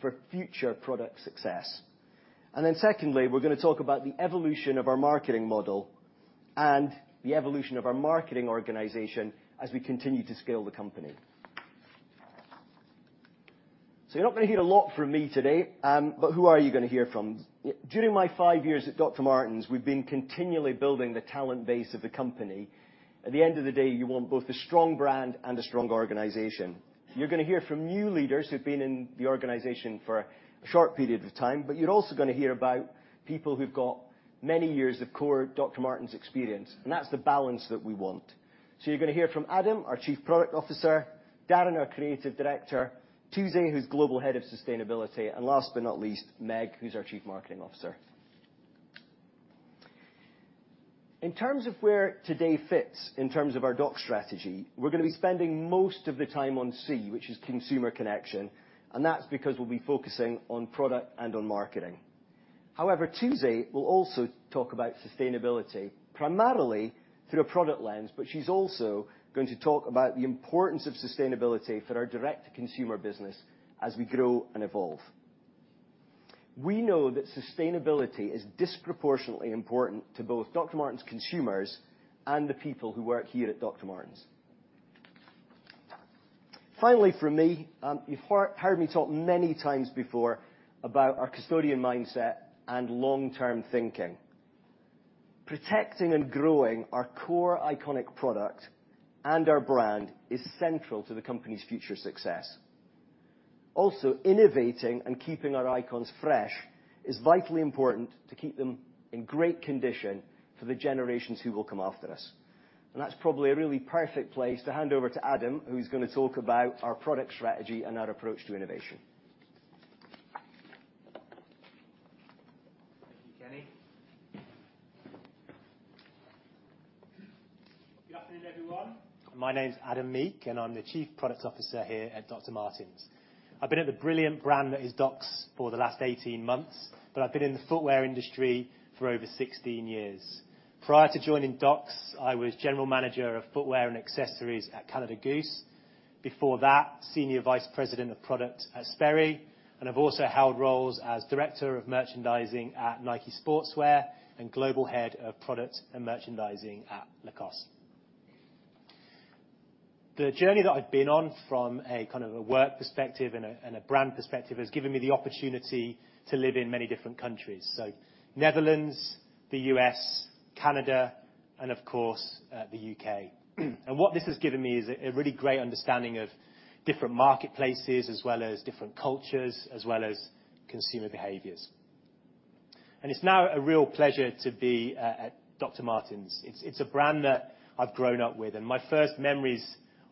For future product success. And then secondly, we're gonna talk about the evolution of our marketing model and the evolution of our marketing organization as we continue to scale the company. So you're not gonna hear a lot from me today, but who are you gonna hear from? During my five years at Dr. Martens, we've been continually building the talent base of the company. At the end of the day, you want both a strong brand and a strong organization. You're gonna hear from new leaders who've been in the organization for a short period of time, but you're also gonna hear about people who've got many years of core Dr. Martens experience, and that's the balance that we want. So you're gonna hear from Adam, our Chief Product Officer, Darren, our Creative Director, Tuze, who's Global Head of Sustainability, and last but not least, Meg, who's our Chief Marketing Officer. In terms of where today fits, in terms of our DOCS strategy, we're gonna be spending most of the time on C, which is consumer connection, and that's because we'll be focusing on product and on marketing. However, Tuze will also talk about sustainability, primarily through a product lens, but she's also going to talk about the importance of sustainability for our direct-to-consumer business as we grow and evolve. We know that sustainability is disproportionately important to both Dr. Martens consumers and the people who work here at Dr. Martens. Finally, from me, you've heard me talk many times before about our custodian mindset and long-term thinking. Protecting and growing our core iconic product and our brand is central to the company's future success. Also, innovating and keeping our icons fresh is vitally important to keep them in great condition for the generations who will come after us. That's probably a really perfect place to hand over to Adam, who's gonna talk about our product strategy and our approach to innovation. Thank you, Kenny. Good afternoon, everyone. My name is Adam Meek, and I'm the Chief Product Officer here at Dr. Martens. I've been at the brilliant brand that is Docs for the last 18 months, but I've been in the footwear industry for over 16 years. Prior to joining Docs, I was General Manager of footwear and accessories at Canada Goose. Before that, Senior Vice President of Product at Sperry, and I've also held roles as Director of Merchandising at Nike Sportswear and Global Head of Product and Merchandising at Lacoste. The journey that I've been on from a kind of a work perspective and a brand perspective has given me the opportunity to live in many different countries, so Netherlands, the U.S., Canada, and of course, the U.K. What this has given me is a really great understanding of different marketplaces, as well as different cultures, as well as consumer behaviors. It's now a real pleasure to be at Dr. Martens. It's a brand that I've grown up with, and my first memories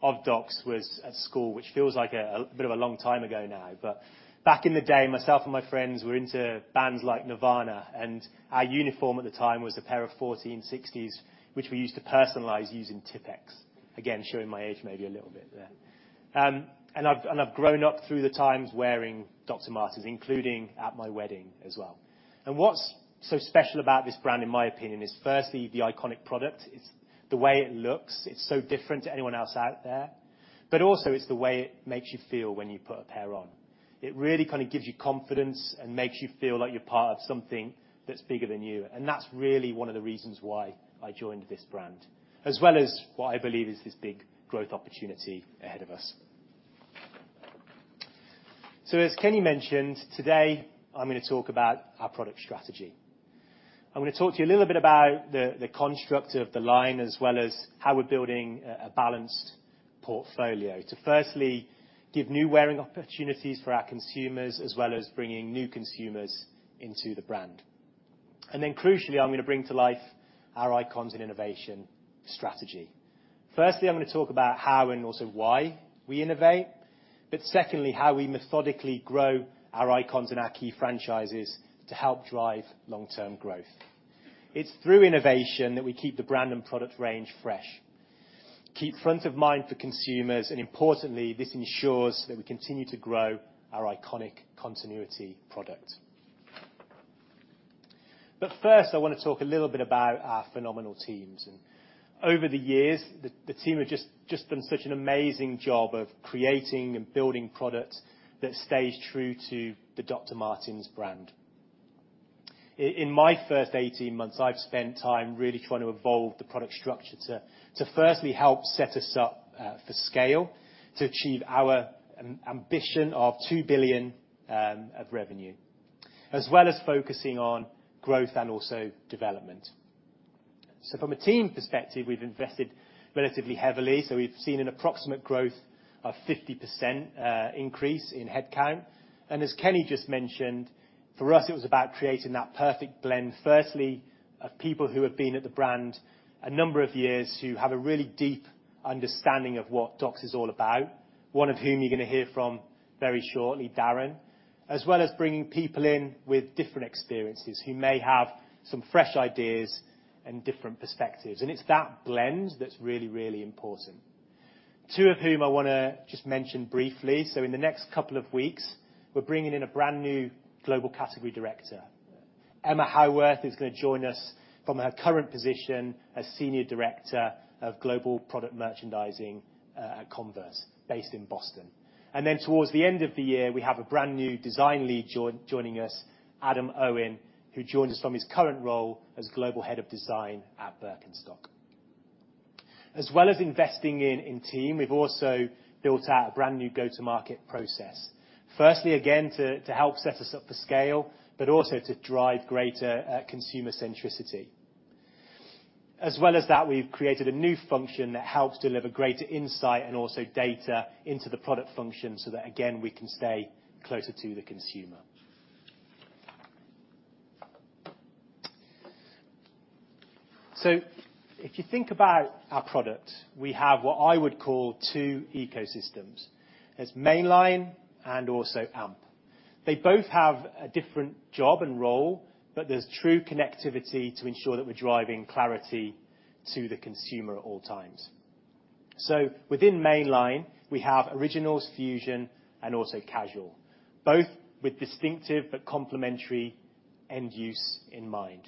of Docs was at school, which feels like a bit of a long time ago now. But back in the day, myself and my friends were into bands like Nirvana, and our uniform at the time was a pair of 1460s, which we used to personalize using Tipp-Ex. Again, showing my age maybe a little bit there. And I've grown up through the times wearing Dr. Martens, including at my wedding as well. What's so special about this brand, in my opinion, is firstly, the iconic product. It's the way it looks. It's so different to anyone else out there. But also, it's the way it makes you feel when you put a pair on. It really kind of gives you confidence and makes you feel like you're part of something that's bigger than you, and that's really one of the reasons why I joined this brand, as well as what I believe is this big growth opportunity ahead of us. So as Kenny mentioned, today, I'm gonna talk about our product strategy. I'm gonna talk to you a little bit about the construct of the line, as well as how we're building a balanced portfolio to firstly, give new wearing opportunities for our consumers, as well as bringing new consumers into the brand. And then, crucially, I'm gonna bring to life our icons and innovation strategy. Firstly, I'm gonna talk about how and also why we innovate, but secondly, how we methodically grow our icons and our key franchises to help drive long-term growth. It's through innovation that we keep the brand and product range fresh, keep front of mind for consumers, and importantly, this ensures that we continue to grow our iconic continuity product. But first, I wanna talk a little bit about our phenomenal teams, and over the years, the team have just done such an amazing job of creating and building product that stays true to the Dr. Martens brand. In my first 18 months, I've spent time really trying to evolve the product structure to firstly help set us up for scale, to achieve our ambition of 2 billion of revenue, as well as focusing on growth and also development. So from a team perspective, we've invested relatively heavily, so we've seen an approximate growth of 50%, increase in headcount. And as Kenny just mentioned, for us, it was about creating that perfect blend, firstly, of people who have been at the brand a number of years, who have a really deep understanding of what Docs is all about, one of whom you're gonna hear from very shortly, Darren. As well as bringing people in with different experiences, who may have some fresh ideas and different perspectives, and it's that blend that's really, really important. Two of whom I wanna just mention briefly, so in the next couple of weeks, we're bringing in a brand-new global category director. Emma Howarth is going to join us from her current position as Senior Director of Global Product Merchandising at Converse, based in Boston. And then towards the end of the year, we have a brand new design lead join, joining us, Adam Owen, who joins us from his current role as Global Head of Design at Birkenstock. As well as investing in, in team, we've also built out a brand new go-to-market process. Firstly, again, to, to help set us up for scale, but also to drive greater consumer centricity. As well as that, we've created a new function that helps deliver greater insight and also data into the product function, so that, again, we can stay closer to the consumer. So if you think about our product, we have what I would call two ecosystems. There's mainline and also Amp. They both have a different job and role, but there's true connectivity to ensure that we're driving clarity to the consumer at all times. Within mainline, we have Originals, Fusion, and also Casual, both with distinctive but complementary end use in mind.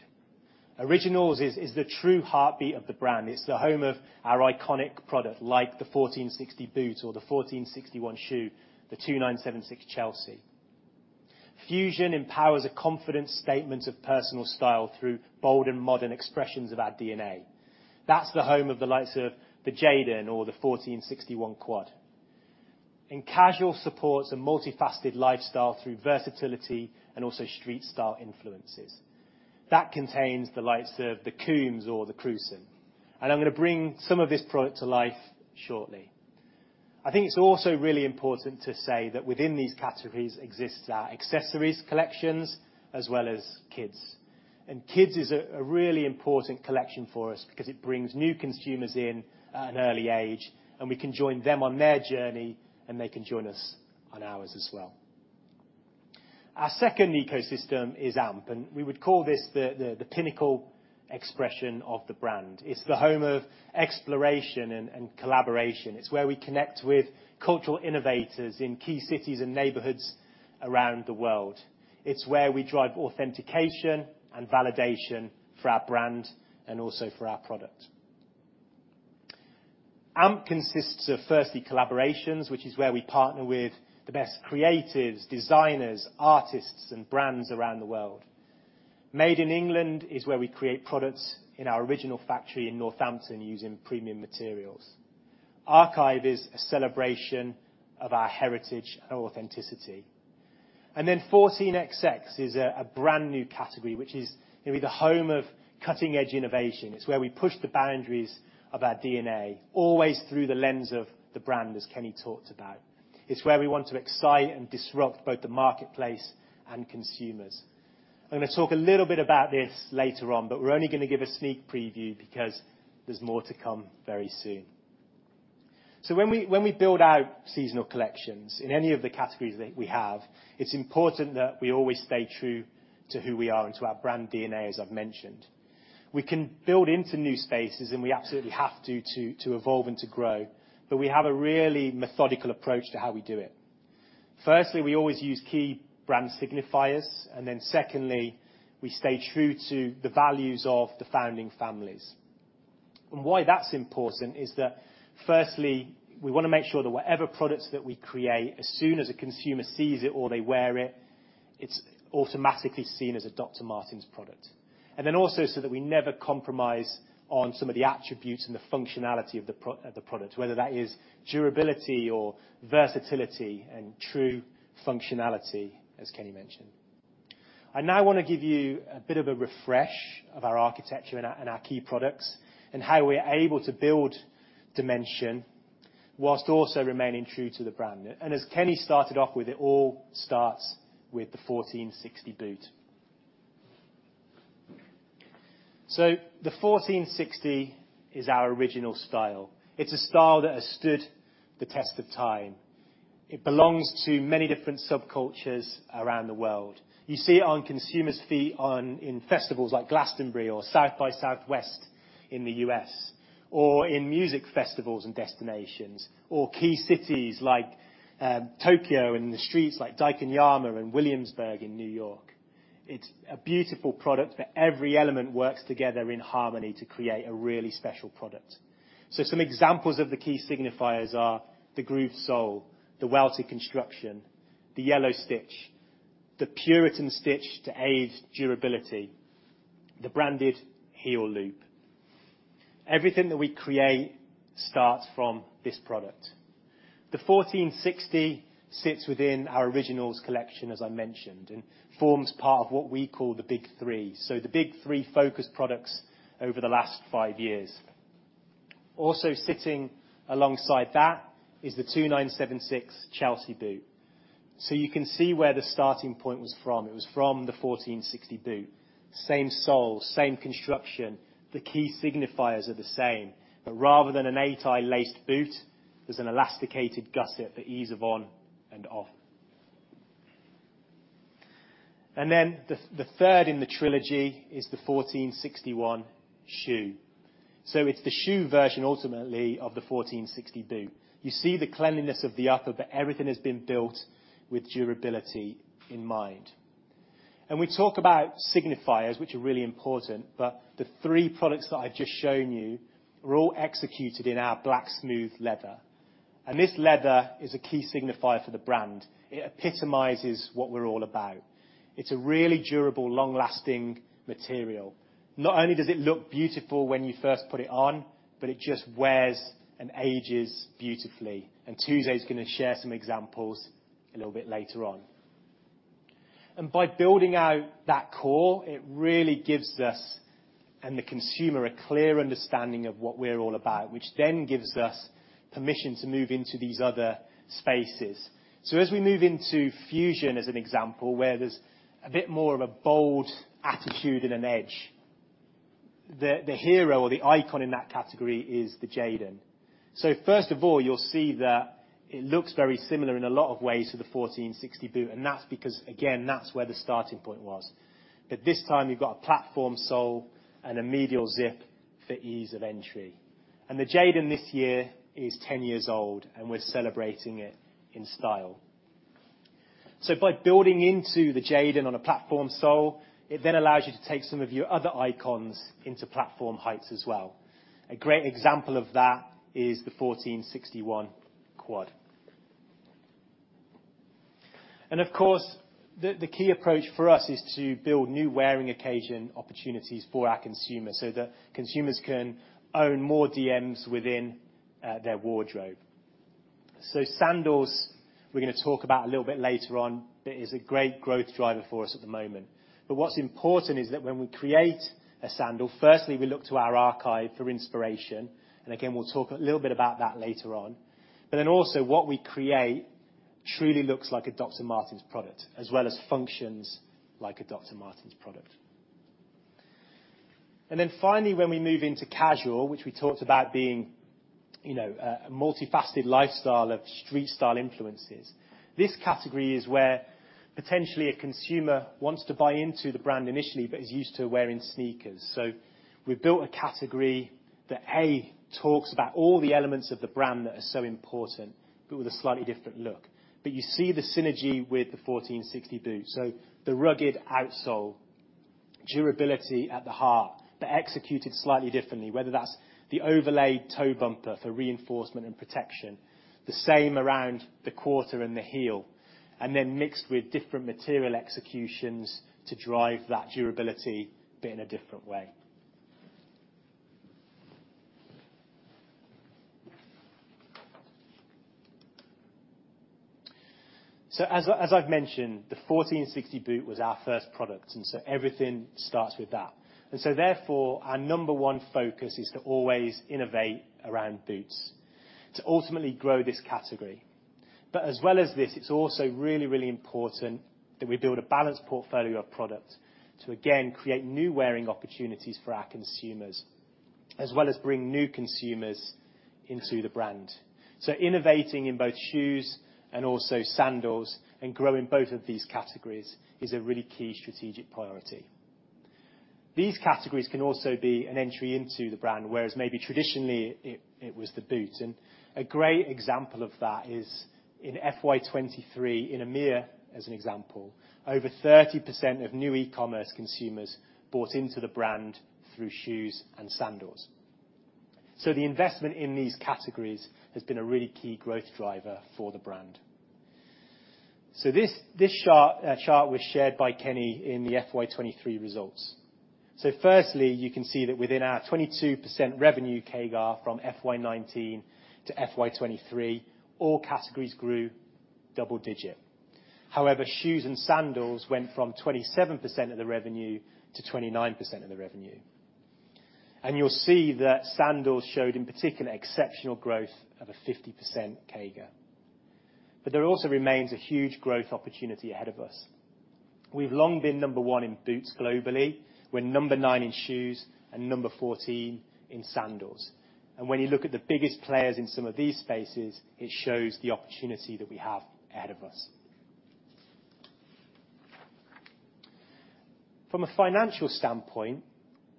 Originals is the true heartbeat of the brand. It's the home of our iconic product, like the 1460 boot or the 1461 shoe, the 2976 Chelsea. Fusion empowers a confident statement of personal style through bold and modern expressions of our DNA. That's the home of the likes of the Jadon or the 1461 Quad. And Casual supports a multifaceted lifestyle through versatility and also street style influences. That contains the likes of the Combs or the Crewson, and I'm gonna bring some of this product to life shortly. I think it's also really important to say that within these categories exists our accessories collections as well as kids. Kids is a really important collection for us because it brings new consumers in at an early age, and we can join them on their journey, and they can join us on ours as well. Our second ecosystem is Amp, and we would call this the pinnacle expression of the brand. It's the home of exploration and collaboration. It's where we connect with cultural innovators in key cities and neighborhoods around the world. It's where we drive authentication and validation for our brand and also for our product. Amp consists of, firstly, collaborations, which is where we partner with the best creatives, designers, artists, and brands around the world. Made in England is where we create products in our original factory in Northampton using premium materials. Archive is a celebration of our heritage and authenticity. Then 14XX is a brand-new category, which is gonna be the home of cutting-edge innovation. It's where we push the boundaries of our DNA, always through the lens of the brand, as Kenny talked about. It's where we want to excite and disrupt both the marketplace and consumers. I'm gonna talk a little bit about this later on, but we're only gonna give a sneak preview because there's more to come very soon. So when we build out seasonal collections in any of the categories that we have, it's important that we always stay true to who we are and to our brand DNA, as I've mentioned. We can build into new spaces, and we absolutely have to evolve and to grow, but we have a really methodical approach to how we do it. Firstly, we always use key brand signifiers, and then secondly, we stay true to the values of the founding families. Why that's important is that, firstly, we wanna make sure that whatever products that we create, as soon as a consumer sees it or they wear it, it's automatically seen as a Dr. Martens product. And then also, so that we never compromise on some of the attributes and the functionality of the product, whether that is durability or versatility and true functionality, as Kenny mentioned. I now wanna give you a bit of a refresh of our architecture and our key products, and how we're able to build dimension whilst also remaining true to the brand. As Kenny started off with, it all starts with the 1460 boot. So the 1460 is our original style. It's a style that has stood the test of time. It belongs to many different subcultures around the world. You see it on consumers' feet in festivals like Glastonbury or South by Southwest in the U.S., or in music festivals and destinations, or key cities like Tokyo, and the streets like Daikanyama and Williamsburg in New York. It's a beautiful product that every element works together in harmony to create a really special product. So some examples of the key signifiers are the grooved sole, the welted construction, the yellow stitch, the Puritan stitch to aid durability, the branded heel loop. Everything that we create starts from this product. The 1460 sits within our Originals collection, as I mentioned, and forms part of what we call the Big Three, so the Big Three focus products over the last five years. Also sitting alongside that is the 2976 Chelsea boot. So you can see where the starting point was from. It was from the 1460 boot. Same sole, same construction, the key signifiers are the same, but rather than an 8-eye laced boot, there's an elasticated gusset for ease of on and off. And then the, the third in the trilogy is the 1461 shoe so it's the shoe version, ultimately, of the 1460 boot. You see the cleanliness of the upper, but everything has been built with durability in mind. And we talk about signifiers, which are really important, but the three products that I've just shown you were all executed in our black, Smooth leather. And this leather is a key signifier for the brand. It epitomizes what we're all about. It's a really durable, long-lasting material. Not only does it look beautiful when you first put it on, but it just wears and ages beautifully. And Tuze's gonna share some examples a little bit later on. And by building out that core, it really gives us and the consumer a clear understanding of what we're all about, which then gives us permission to move into these other spaces. So as we move into Fusion, as an example, where there's a bit more of a bold attitude and an edge, the hero or the icon in that category is the Jadon. So first of all, you'll see that it looks very similar in a lot of ways to the 1460 boot, and that's because, again, that's where the starting point was. But this time you've got a platform sole and a medial zip for ease of entry. The Jadon, this year, is 10 years old, and we're celebrating it in style. So by building into the Jadon on a platform sole, it then allows you to take some of your other icons into platform heights as well. A great example of that is the 1461 Quad. Of course, the key approach for us is to build new wearing occasion opportunities for our consumers, so that consumers can own more DMs within their wardrobe. So sandals, we're gonna talk about a little bit later on, but is a great growth driver for us at the moment. But what's important is that when we create a sandal, firstly, we look to our archive for inspiration, and again, we'll talk a little bit about that later on. But then also, what we create truly looks like a Dr. Martens. Martens product, as well as functions like a Dr. Martens product. And then finally, when we move into casual, which we talked about being, you know, a multifaceted lifestyle of street style influences, this category is where, potentially, a consumer wants to buy into the brand initially, but is used to wearing sneakers. So we've built a category that, A, talks about all the elements of the brand that are so important, but with a slightly different look. But you see the synergy with the 1460 boot, so the rugged outsole, durability at the heart, but executed slightly differently, whether that's the overlay toe bumper for reinforcement and protection, the same around the quarter and the heel, and then mixed with different material executions to drive that durability, but in a different way. So as I, as I've mentioned, the 1460 boot was our first product, and so everything starts with that. And so therefore, our number one focus is to always innovate around boots, to ultimately grow this category. But as well as this, it's also really, really important that we build a balanced portfolio of products to, again, create new wearing opportunities for our consumers, as well as bring new consumers into the brand. So innovating in both shoes and also sandals, and growing both of these categories is a really key strategic priority. These categories can also be an entry into the brand, whereas maybe traditionally it, it was the boot. And a great example of that is in FY 2023, in EMEA, as an example, over 30% of new e-commerce consumers bought into the brand through shoes and sandals. The investment in these categories has been a really key growth driver for the brand. This chart was shared by Kenny in the FY 2023 results. Firstly, you can see that within our 22% revenue CAGR from FY 2019 to FY 2023, all categories grew double-digit. However, shoes and sandals went from 27% of the revenue to 29% of the revenue. You'll see that sandals showed, in particular, exceptional growth of a 50% CAGR. But there also remains a huge growth opportunity ahead of us. We've long been number one in boots globally, we're number nine in shoes, and number 14 in sandals. When you look at the biggest players in some of these spaces, it shows the opportunity that we have ahead of us. From a financial standpoint,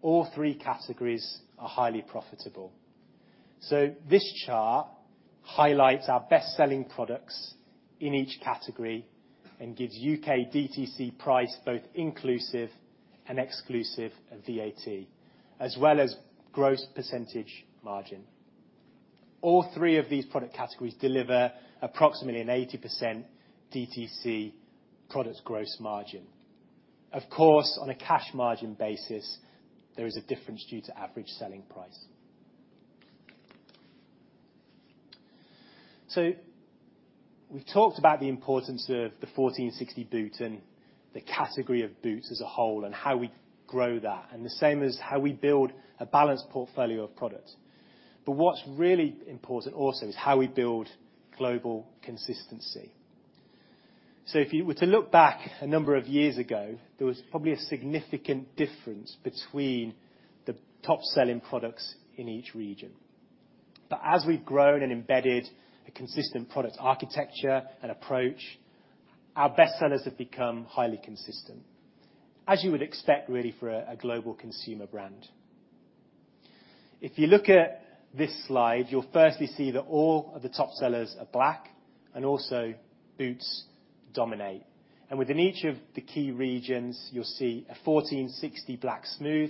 all three categories are highly profitable. So this chart highlights our best-selling products in each category and gives U.K. DTC price, both inclusive and exclusive of VAT, as well as gross percentage margin. All three of these product categories deliver approximately an 80% DTC product gross margin. Of course, on a cash margin basis, there is a difference due to average selling price. So we've talked about the importance of the 1460 boot and the category of boots as a whole, and how we grow that, and the same as how we build a balanced portfolio of products. But what's really important also is how we build global consistency. So if you were to look back a number of years ago, there was probably a significant difference between the top-selling products in each region. But as we've grown and embedded a consistent product architecture and approach, our best sellers have become highly consistent, as you would expect, really, for a global consumer brand. If you look at this slide, you'll firstly see that all of the top sellers are black and also boots dominate. Within each of the key regions, you'll see a 1460 Black Smooth,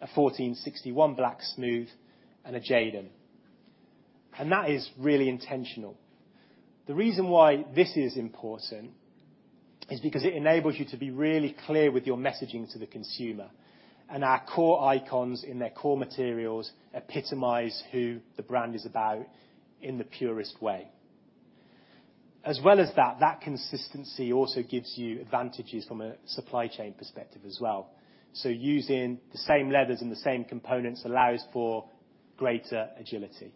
a 1461 Black Smooth, and a Jadon. That is really intentional. The reason why this is important is because it enables you to be really clear with your messaging to the consumer, and our core icons in their core materials epitomize who the brand is about in the purest way. As well as that, that consistency also gives you advantages from a supply chain perspective as well. So using the same leathers and the same components allows for greater agility.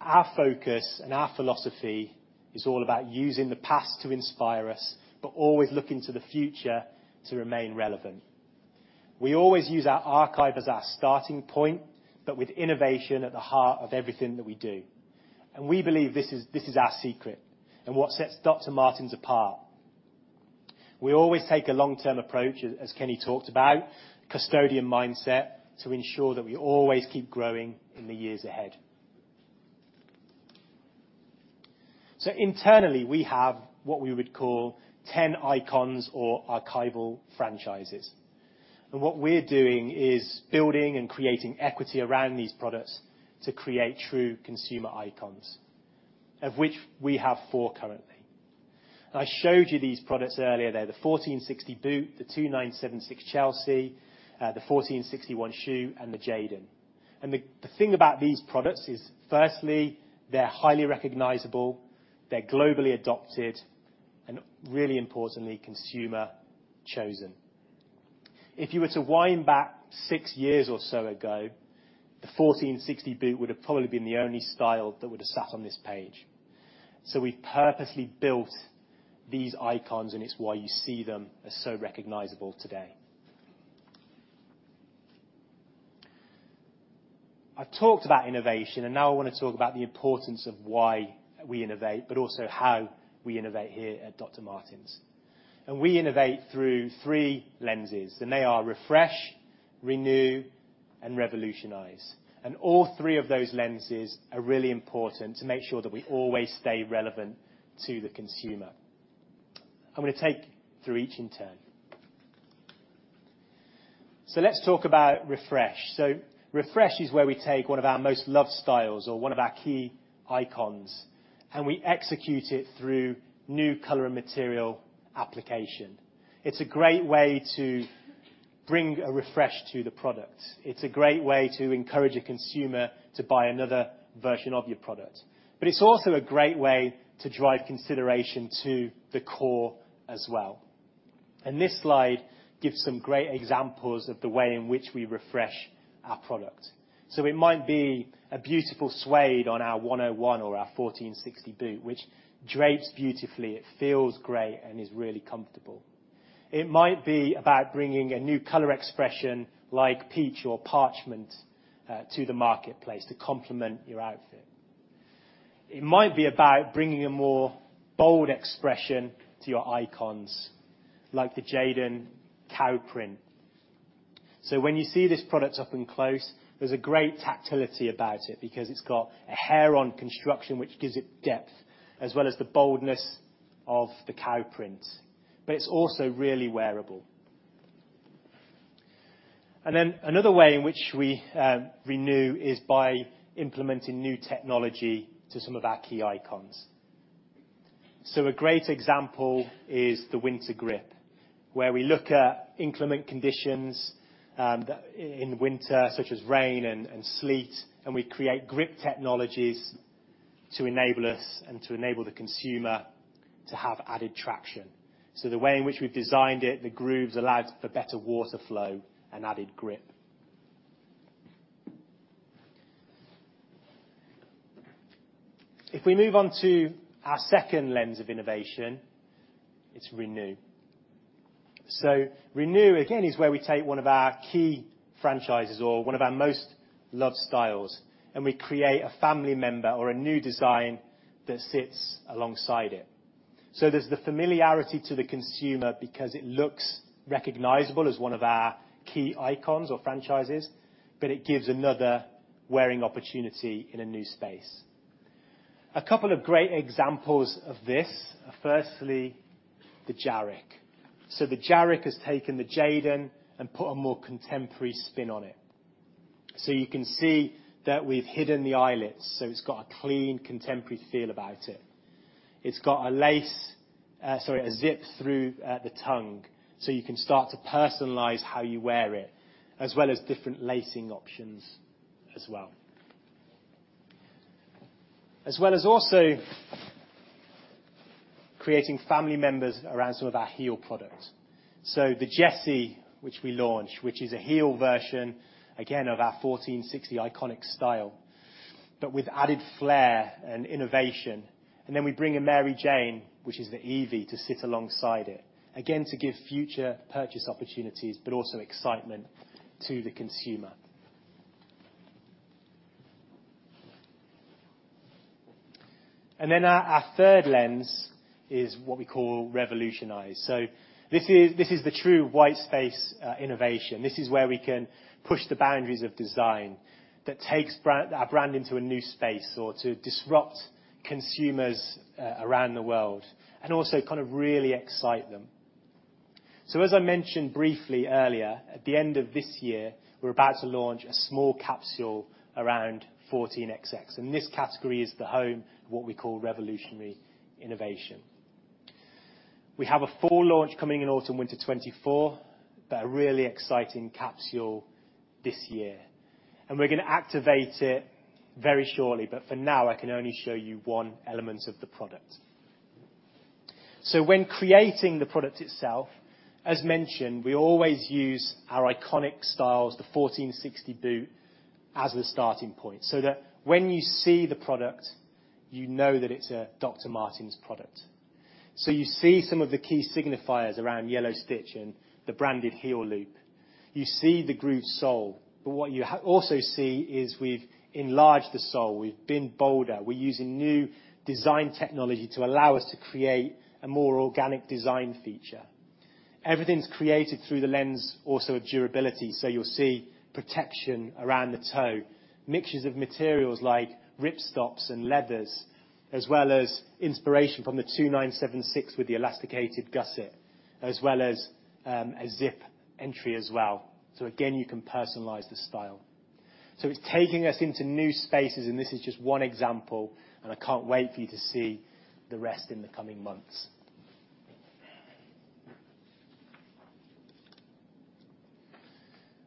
Our focus and our philosophy is all about using the past to inspire us, but always looking to the future to remain relevant. We always use our archive as our starting point, but with innovation at the heart of everything that we do. And we believe this is, this is our secret and what sets Dr. Martens apart. We always take a long-term approach, as, as Kenny talked about, custodian mindset, to ensure that we always keep growing in the years ahead. So internally, we have what we would call 10 icons or archival franchises, and what we're doing is building and creating equity around these products to create true consumer icons, of which we have four currently. And I showed you these products earlier. They're the 1460 boot, the 2976 Chelsea, the 1461 shoe, and the Jadon. And the thing about these products is, firstly, they're highly recognizable, they're globally adopted, and really importantly, consumer-chosen. If you were to wind back six years or so ago, the 1460 boot would have probably been the only style that would have sat on this page. So we've purposely built these icons, and it's why you see them as so recognizable today. I've talked about innovation, and now I want to talk about the importance of why we innovate, but also how we innovate here at Dr. Martens. And we innovate through three lenses, and they are refresh, renew, and revolutionize. And all three of those lenses are really important to make sure that we always stay relevant to the consumer. I'm gonna take through each in turn. So let's talk about refresh. So refresh is where we take one of our most loved styles or one of our key icons, and we execute it through new color and material application. It's a great way to bring a refresh to the product. It's a great way to encourage a consumer to buy another version of your product, but it's also a great way to drive consideration to the core as well. And this slide gives some great examples of the way in which we refresh our product. So it might be a beautiful suede on our 101 or our 1460 boot, which drapes beautifully, it feels great, and is really comfortable. It might be about bringing a new color expression, like peach or parchment, to the marketplace to complement your outfit. It might be about bringing a more bold expression to your icons, like the Jadon cow print. So when you see this product up and close, there's a great tactility about it because it's got a hair on construction, which gives it depth, as well as the boldness of the cow print, but it's also really wearable. And then another way in which we renew is by implementing new technology to some of our key icons. So a great example is the Winter Grip, where we look at inclement conditions in winter, such as rain and sleet, and we create grip technologies to enable us and to enable the consumer to have added traction. So the way in which we've designed it, the grooves allow for better water flow and added grip. If we move on to our second lens of innovation, it's renew. So renew, again, is where we take one of our key franchises or one of our most loved styles, and we create a family member or a new design that sits alongside it. So there's the familiarity to the consumer because it looks recognizable as one of our key icons or franchises, but it gives another wearing opportunity in a new space. A couple of great examples of this are, firstly, the Jarrick. So the Jarrick has taken the Jadon and put a more contemporary spin on it. So you can see that we've hidden the eyelets, so it's got a clean, contemporary feel about it. It's got a lace, sorry, a zip through the tongue, so you can start to personalize how you wear it, as well as different lacing options as well. As well as also creating family members around some of our heel products. So the Jesy, which we launched, which is a heel version, again, of our 1460 iconic style but with added flair and innovation. And then we bring in Mary Jane, which is the Eviee, to sit alongside it, again, to give future purchase opportunities, but also excitement to the consumer. And then our, our third lens is what we call revolutionized. So this is, this is the true white space, innovation. This is where we can push the boundaries of design that takes our brand into a new space, or to disrupt consumers, around the world, and also kind of really excite them. So as I mentioned briefly earlier, at the end of this year, we're about to launch a small capsule around 14XX, and this category is the home of what we call revolutionary innovation. We have a full launch coming in autumn/winter 2024, but a really exciting capsule this year, and we're gonna activate it very shortly. But for now, I can only show you one element of the product. So when creating the product itself, as mentioned, we always use our iconic styles, the 1460 boot, as the starting point, so that when you see the product, you know that it's a Dr. Martens product. So you see some of the key signifiers around Yellow Stitch and the branded heel loop. You see the Grooved Sole, but what you also see is we've enlarged the sole. We've been bolder. We're using new design technology to allow us to create a more organic design feature. Everything's created through the lens, also of durability, so you'll see protection around the toe, mixtures of materials like ripstops and leathers, as well as inspiration from the 2976 with the elasticated gusset, as well as a zip entry as well. So again, you can personalize the style. So it's taking us into new spaces, and this is just one example, and I can't wait for you to see the rest in the coming months.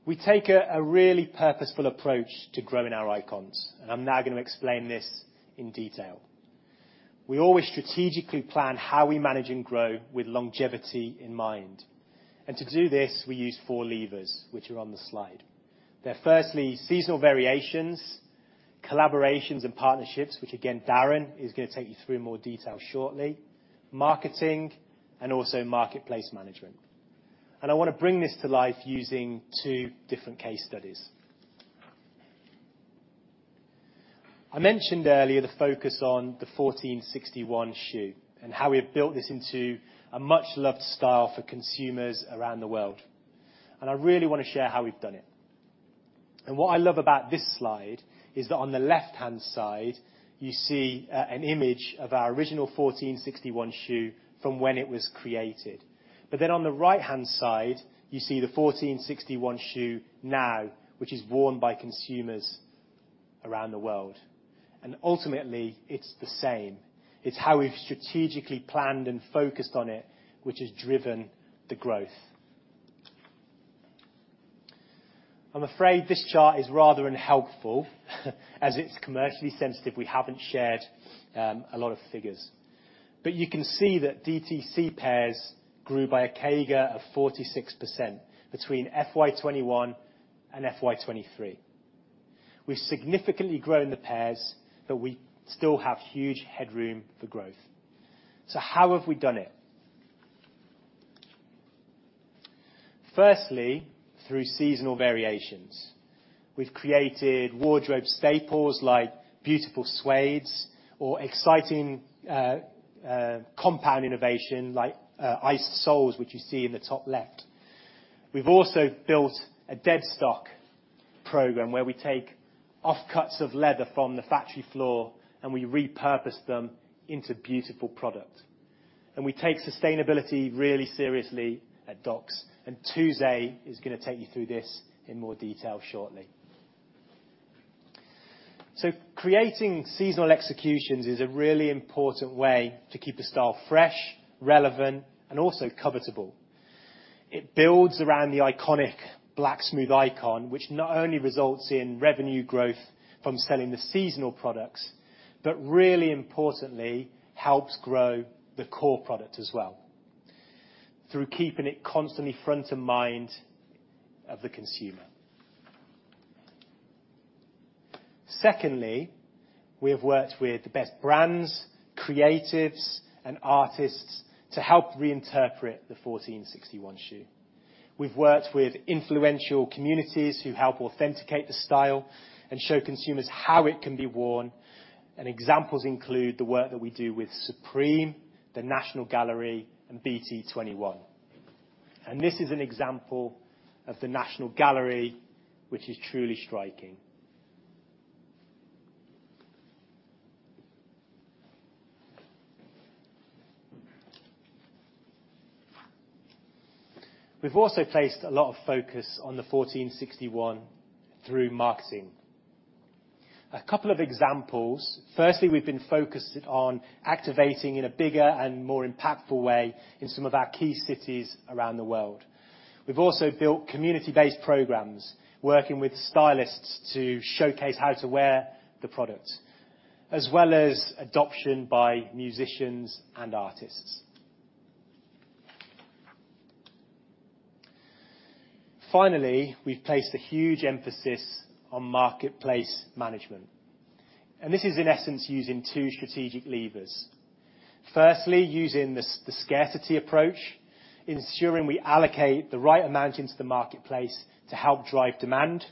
We take a really purposeful approach to growing our icons, and I'm now gonna explain this in detail. We always strategically plan how we manage and grow with longevity in mind. And to do this, we use four levers, which are on the slide. They're firstly, seasonal variations, collaborations and partnerships, which again, Darren is gonna take you through in more detail shortly, marketing, and also marketplace management. I wanna bring this to life using two different case studies. I mentioned earlier the focus on the 1461 shoe and how we have built this into a much-loved style for consumers around the world, and I really wanna share how we've done it. What I love about this slide is that on the left-hand side, you see, an image of our original 1461 shoe from when it was created. But then on the right-hand side, you see the 1461 shoe now, which is worn by consumers around the world. And ultimately, it's the same. It's how we've strategically planned and focused on it, which has driven the growth. I'm afraid this chart is rather unhelpful as it's commercially sensitive. We haven't shared, a lot of figures. But you can see that DTC pairs grew by a CAGR of 46% between FY 2021 and FY 2023. We've significantly grown the pairs, but we still have huge headroom for growth. So how have we done it? Firstly, through seasonal variations. We've created wardrobe staples like beautiful suedes or exciting iconic innovation like iced soles, which you see in the top left. We've also built a Deadstock program where we take offcuts of leather from the factory floor, and we repurpose them into beautiful product. We take sustainability really seriously at Docs, and Tuze is gonna take you through this in more detail shortly. Creating seasonal executions is a really important way to keep the style fresh, relevant, and also covetable. It builds around the iconic black Smooth icon, which not only results in revenue growth from selling the seasonal products, but really importantly, helps grow the core product as well, through keeping it constantly front of mind of the consumer. Secondly, we have worked with the best brands, creatives, and artists to help reinterpret the 1461 shoe. We've worked with influential communities who help authenticate the style and show consumers how it can be worn, and examples include the work that we do with Supreme, the National Gallery, and BT21. This is an example of the National Gallery, which is truly striking. We've also placed a lot of focus on the 1461 through marketing. A couple of examples. Firstly, we've been focused on activating in a bigger and more impactful way in some of our key cities around the world. We've also built community-based programs, working with stylists to showcase how to wear the product, as well as adoption by musicians and artists. Finally, we've placed a huge emphasis on marketplace management, and this is, in essence, using two strategic levers. Firstly, using the scarcity approach, ensuring we allocate the right amount into the marketplace to help drive demand,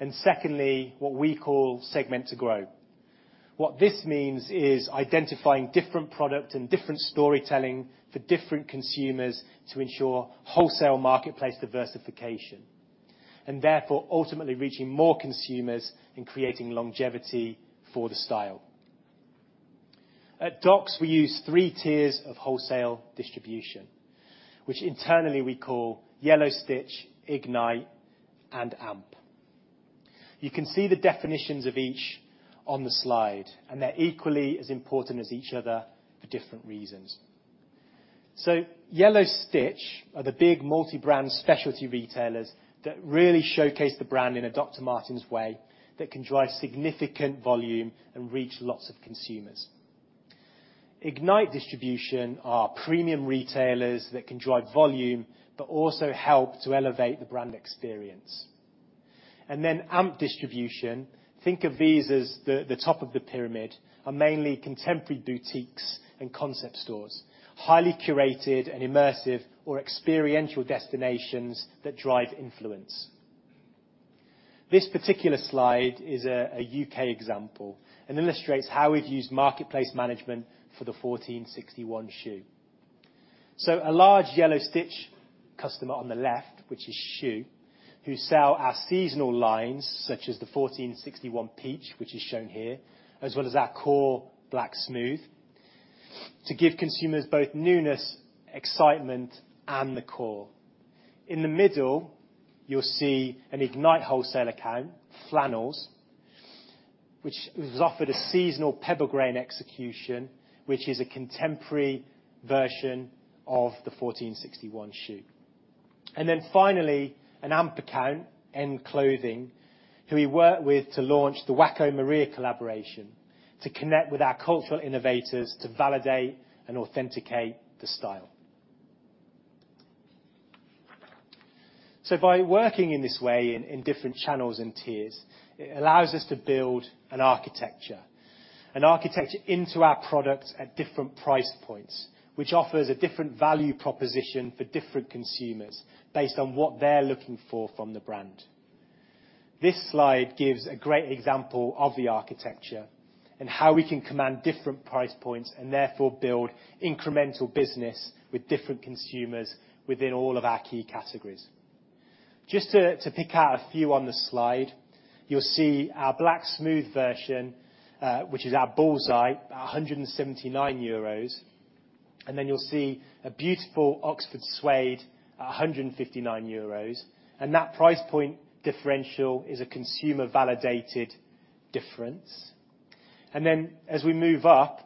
and secondly, what we call Segment to Grow. What this means is identifying different product and different storytelling for different consumers to ensure wholesale marketplace diversification, and therefore, ultimately reaching more consumers and creating longevity for the style. At Docs, we use three tiers of wholesale distribution, which internally we call Yellow Stitch, Ignite, and Amp. You can see the definitions of each on the slide, and they're equally as important as each other for different reasons. So Yellow Stitch are the big multi-brand specialty retailers that really showcase the brand in a Dr. Martens way that can drive significant volume and reach lots of consumers. Ignite distribution are premium retailers that can drive volume but also help to elevate the brand experience. Amp distribution, think of these as the top of the pyramid, are mainly contemporary boutiques and concept stores, highly curated and immersive or experiential destinations that drive influence. This particular slide is a U.K. example and illustrates how we've used marketplace management for the 1461 shoe. A large Yellow Stitch customer on the left, which is Schuh, who sell our seasonal lines, such as the 1461 Peach, which is shown here, as well as our core Black Smooth, to give consumers both newness, excitement, and the core. In the middle, you'll see an Ignite wholesale account, Flannels, which was offered a seasonal pebble grain execution, which is a contemporary version of the 1461 shoe. Finally, an Amp account, End Clothing, who we worked with to launch the Wacko Maria collaboration to connect with our cultural innovators to validate and authenticate the style. So by working in this way, in different channels and tiers, it allows us to build an architecture into our product at different price points, which offers a different value proposition for different consumers based on what they're looking for from the brand. This slide gives a great example of the architecture and how we can command different price points, and therefore, build incremental business with different consumers within all of our key categories. Just to pick out a few on the slide, you'll see our Black Smooth version, which is our bullseye, at 179 euros, and then you'll see a beautiful Oxford suede at 159 euros, and that price point differential is a consumer-validated difference. And then, as we move up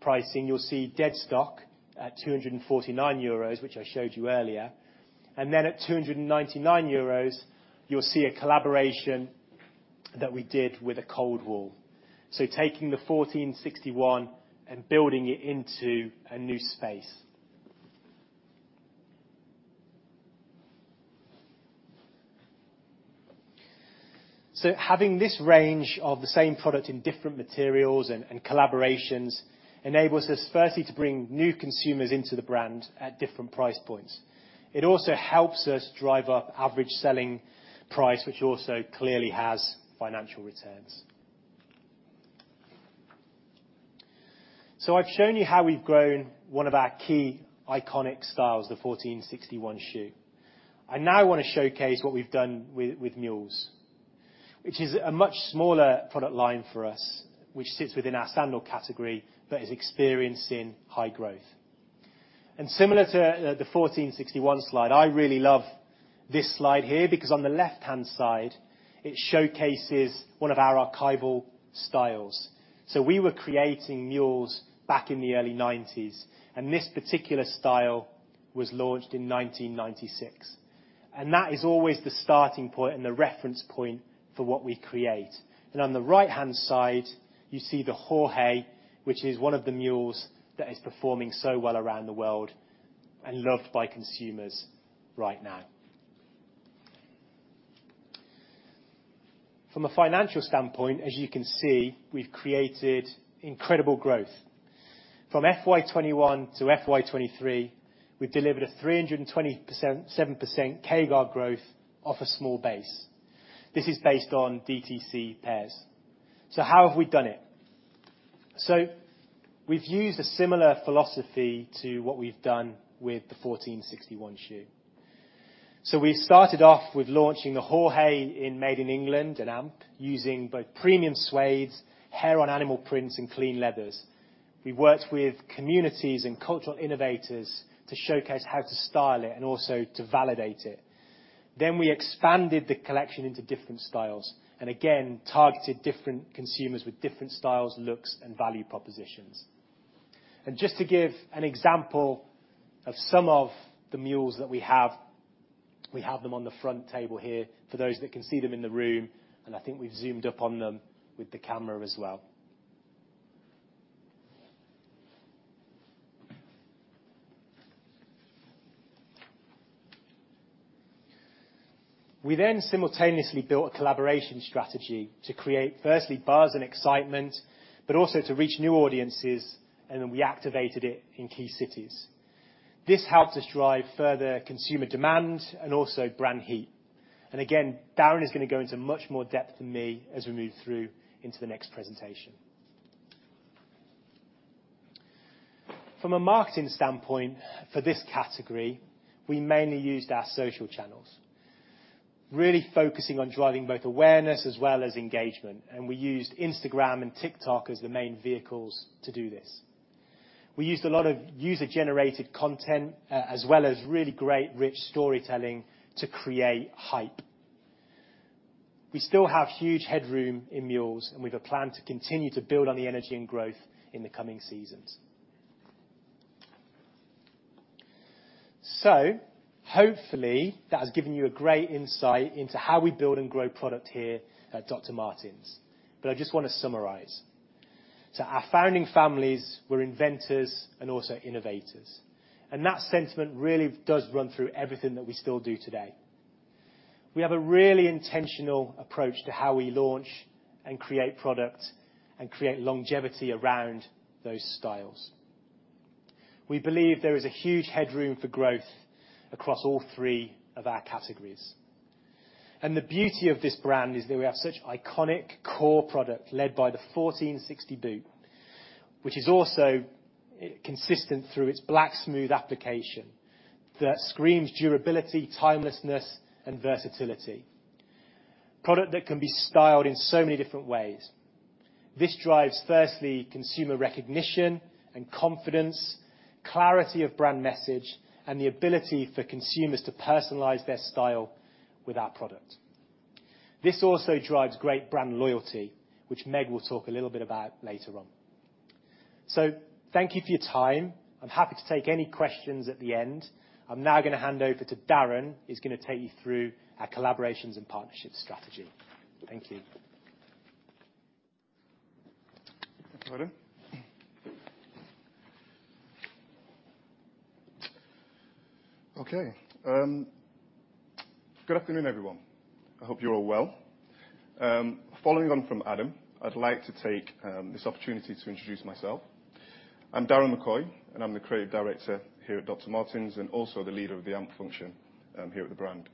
pricing, you'll see Deadstock at 249 euros, which I showed you earlier. And then at 299 euros, you'll see a collaboration that we did with A-Cold-Wall. So taking the 1461 and building it into a new space. So having this range of the same product in different materials and collaborations enables us, firstly, to bring new consumers into the brand at different price points. It also helps us drive up average selling price, which also clearly has financial returns. So I've shown you how we've grown one of our key iconic styles, the 1461 shoe. I now wanna showcase what we've done with mules, which is a much smaller product line for us, which sits within our sandal category but is experiencing high growth. Similar to the 1461 slide, I really love this slide here, because on the left-hand side, it showcases one of our archival styles. So we were creating mules back in the early 1990s, and this particular style was launched in 1996. And that is always the starting point and the reference point for what we create. And on the right-hand side, you see the Jorge, which is one of the mules that is performing so well around the world and loved by consumers right now. From a financial standpoint, as you can see, we've created incredible growth. From FY 2021 to FY 2023, we've delivered a 320%, 7% CAGR growth off a small base. This is based on DTC pairs. So how have we done it? So we've used a similar philosophy to what we've done with the 1461 shoe. So we started off with launching the Jorge in Made in England and Amp, using both premium suedes, hair on animal prints, and clean leathers. We worked with communities and cultural innovators to showcase how to style it and also to validate it. Then we expanded the collection into different styles and again, targeted different consumers with different styles, looks, and value propositions. Just to give an example of some of the mules that we have, we have them on the front table here for those that can see them in the room, and I think we've zoomed up on them with the camera as well. We then simultaneously built a collaboration strategy to create firstly, buzz and excitement, but also to reach new audiences, and then we activated it in key cities. This helped us drive further consumer demand and also brand heat. Again, Darren is gonna go into much more depth than me as we move through into the next presentation. From a marketing standpoint, for this category, we mainly used our social channels, really focusing on driving both awareness as well as engagement, and we used Instagram and TikTok as the main vehicles to do this. We used a lot of user-generated content, as well as really great, rich storytelling to create hype. We still have huge headroom in mules, and we've a plan to continue to build on the energy and growth in the coming seasons. So hopefully, that has given you a great insight into how we build and grow product here at Dr. Martens, but I just wanna summarize. So our founding families were inventors and also innovators, and that sentiment really does run through everything that we still do today. We have a really intentional approach to how we launch and create product and create longevity around those styles. We believe there is a huge headroom for growth across all three of our categories. The beauty of this brand is that we have such iconic core product, led by the 1460 boot, which is also consistent through its black smooth application, that screams durability, timelessness, and versatility. Product that can be styled in so many different ways. This drives, firstly, consumer recognition and confidence, clarity of brand message, and the ability for consumers to personalize their style with our product. This also drives great brand loyalty, which Meg will talk a little bit about later on. Thank you for your time. I'm happy to take any questions at the end. I'm now gonna hand over to Darren, who's gonna take you through our collaborations and partnerships strategy. Thank you. Good morning. Okay, good afternoon, everyone. I hope you're all well. Following on from Adam, I'd like to take this opportunity to introduce myself. I'm Darren McKoy, and I'm the creative director here at Dr. Martens, and also the leader of the AMP function here at the brand.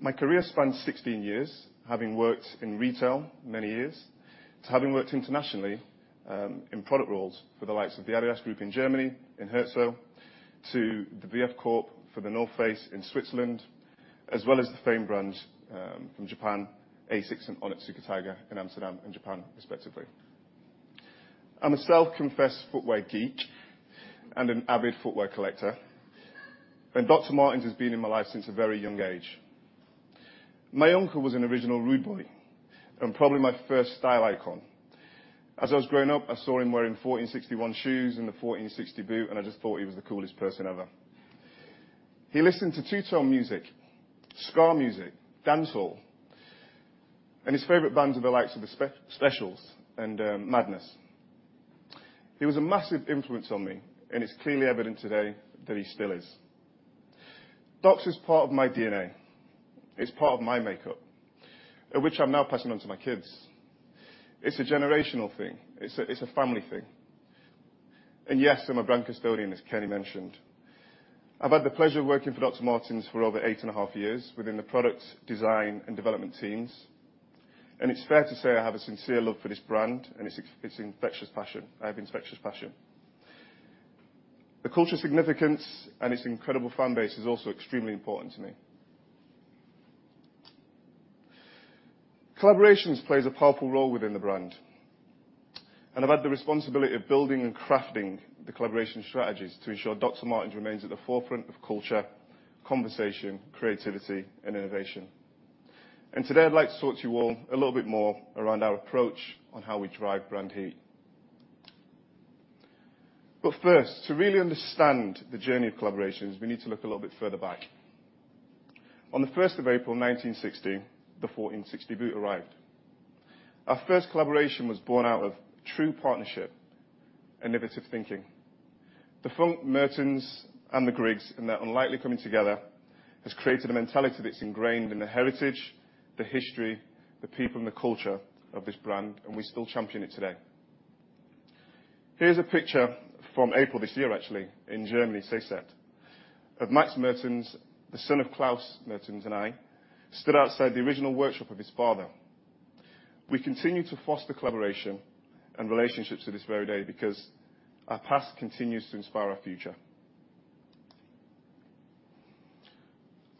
My career spans 16 years, having worked in retail many years, to having worked internationally in product roles for the likes of the adidas Group in Germany, in Herzogenaurach, to the VF Corp for the North Face in Switzerland, as well as the famous brands from Japan, ASICS and Onitsuka Tiger in Amsterdam and Japan, respectively. I'm a self-confessed footwear geek and an avid footwear collector, and Dr. Martens has been in my life since a very young age. My uncle was an original Rude Boy and probably my first style icon. As I was growing up, I saw him wearing 1461 shoes and the 1460 boot, and I just thought he was the coolest person ever. He listened to two-tone music, ska music, dancehall, and his favorite bands were the likes of the Specials and Madness. He was a massive influence on me, and it's clearly evident today that he still is. Docs is part of my DNA. It's part of my makeup, which I'm now passing on to my kids. It's a generational thing. It's a family thing. And yes, I'm a brand custodian, as Kenny mentioned. I've had the pleasure of working for Dr. Martens for over 8.5 years within the product design and development teams, and it's fair to say I have a sincere love for this brand, and it's infectious passion. I have infectious passion. The cultural significance and its incredible fan base is also extremely important to me. Collaborations plays a powerful role within the brand, and I've had the responsibility of building and crafting the collaboration strategies to ensure Dr. Martens remains at the forefront of culture, conversation, creativity, and innovation. Today, I'd like to talk to you all a little bit more around our approach on how we drive brand heat. But first, to really understand the journey of collaborations, we need to look a little bit further back. On the 1st of April 1960, the 1460 boot arrived. Our first collaboration was born out of true partnership, innovative thinking. The Klaus Maertens and the Griggs, in their unlikely coming together, has created a mentality that's ingrained in the heritage, the history, the people, and the culture of this brand, and we still champion it today. Here's a picture from April this year, actually, in Germany, Seeshaupt, of Max Maertens, the son of Klaus Maertens, and I stood outside the original workshop of his father. We continue to foster collaboration and relationships to this very day because our past continues to inspire our future.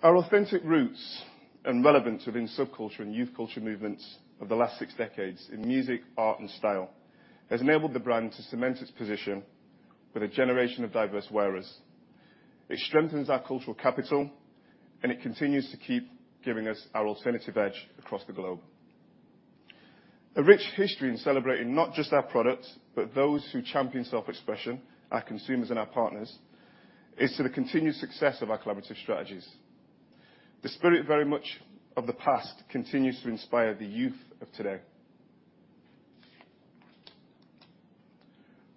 Our authentic roots and relevance within subculture and youth culture movements of the last six decades in music, art, and style has enabled the brand to cement its position with a generation of diverse wearers. It strengthens our cultural capital, and it continues to keep giving us our alternative edge across the globe. A rich history in celebrating not just our products, but those who champion self-expression, our consumers and our partners, is to the continued success of our collaborative strategies. The spirit very much of the past continues to inspire the youth of today...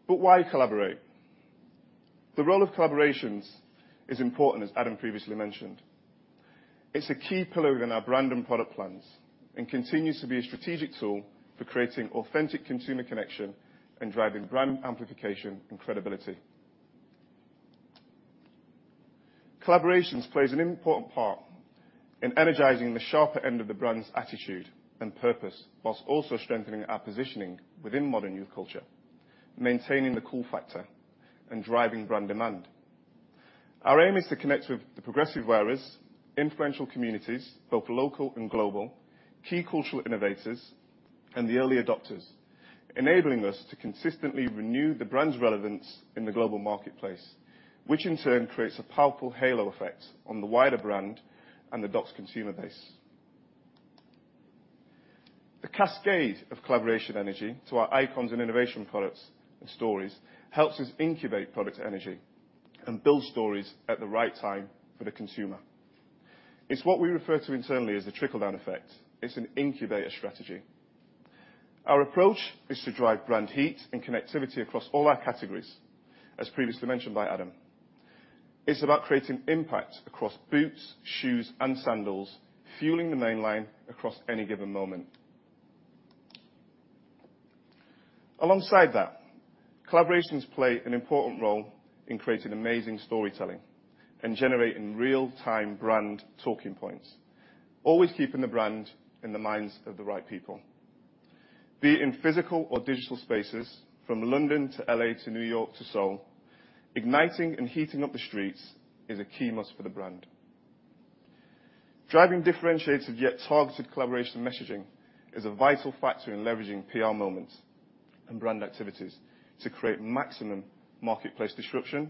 But why collaborate? The role of collaborations is important, as Adam previously mentioned. It's a key pillar within our brand and product plans, and continues to be a strategic tool for creating authentic consumer connection and driving brand amplification and credibility. Collaborations plays an important part in energizing the sharper end of the brand's attitude and purpose, while also strengthening our positioning within modern youth culture, maintaining the cool factor, and driving brand demand. Our aim is to connect with the progressive wearers, influential communities, both local and global, key cultural innovators, and the early adopters, enabling us to consistently renew the brand's relevance in the global marketplace, which in turn creates a powerful halo effect on the wider brand and the Docs consumer base. The cascade of collaboration energy to our icons and innovation products and stories, helps us incubate product energy and build stories at the right time for the consumer. It's what we refer to internally as the trickle-down effect. It's an incubator strategy. Our approach is to drive brand heat and connectivity across all our categories, as previously mentioned by Adam. It's about creating impact across boots, shoes, and sandals, fueling the main line across any given moment. Alongside that, collaborations play an important role in creating amazing storytelling and generating real-time brand talking points, always keeping the brand in the minds of the right people. Be it in physical or digital spaces, from London to L.A., to New York to Seoul, igniting and heating up the streets is a key must for the brand. Driving differentiated, yet targeted collaboration messaging, is a vital factor in leveraging PR moments and brand activities to create maximum marketplace disruption and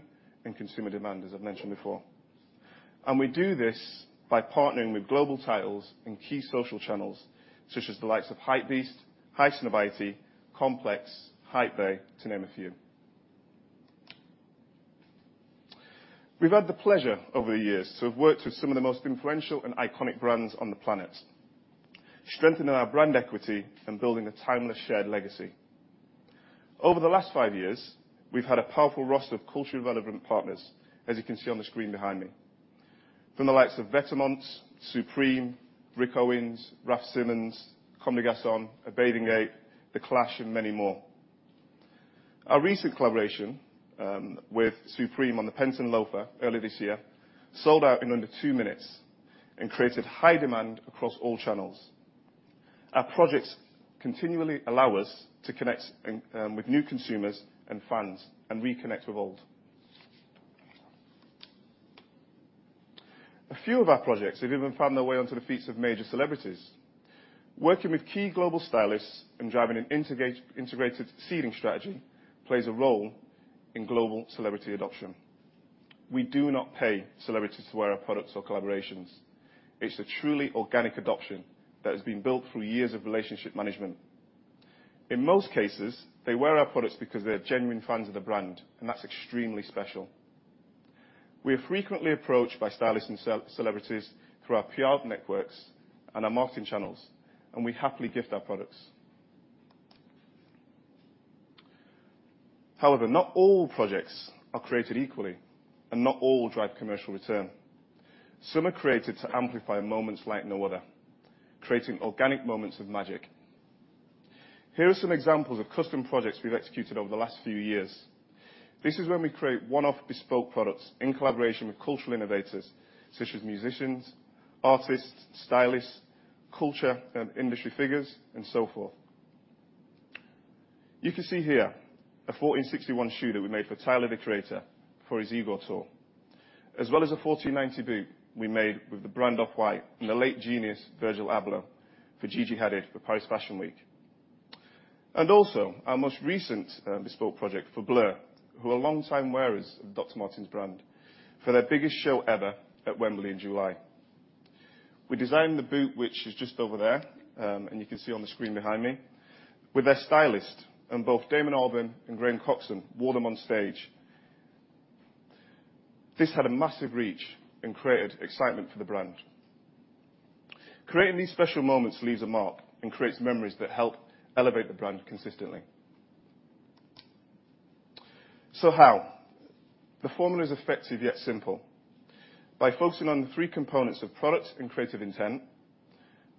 consumer demand, as I've mentioned before. We do this by partnering with global titles and key social channels, such as the likes of Hypebeast, Highsnobiety, Complex, Hypebae, to name a few. We've had the pleasure over the years to have worked with some of the most influential and iconic brands on the planet, strengthening our brand equity and building a timeless, shared legacy. Over the last five years, we've had a powerful roster of culturally relevant partners, as you can see on the screen behind me. From the likes of Vetements, Supreme, Rick Owens, Raf Simons, Comme des Garçons, A Bathing Ape, The Clash, and many more. Our recent collaboration with Supreme on the Penton loafer earlier this year sold out in under two minutes and created high demand across all channels. Our projects continually allow us to connect and with new consumers and fans, and reconnect with old. A few of our projects have even found their way onto the feet of major celebrities. Working with key global stylists and driving an integrated seeding strategy, plays a role in global celebrity adoption. We do not pay celebrities to wear our products or collaborations. It's a truly organic adoption that has been built through years of relationship management. In most cases, they wear our products because they're genuine fans of the brand, and that's extremely special. We are frequently approached by stylists and celebrities through our PR networks and our marketing channels, and we happily gift our products. However, not all projects are created equally, and not all drive commercial return. Some are created to amplify moments like no other, creating organic moments of magic. Here are some examples of custom projects we've executed over the last few years. This is when we create one-off bespoke products in collaboration with cultural innovators such as musicians, artists, stylists, culture and industry figures, and so forth. You can see here a 1461 shoe that we made for Tyler, the Creator, for his IGOR Tour, as well as a 1490 boot we made with the brand Off-White and the late genius, Virgil Abloh, for Gigi Hadid for Paris Fashion Week. And also, our most recent bespoke project for Blur, who are longtime wearers of Dr. Martens brand, for their biggest show ever at Wembley in July. We designed the boot, which is just over there, and you can see on the screen behind me, with their stylist, and both Damon Albarn and Graham Coxon wore them on stage. This had a massive reach and created excitement for the brand. Creating these special moments leaves a mark and creates memories that help elevate the brand consistently. So how? The formula is effective, yet simple. By focusing on the three components of product and creative intent,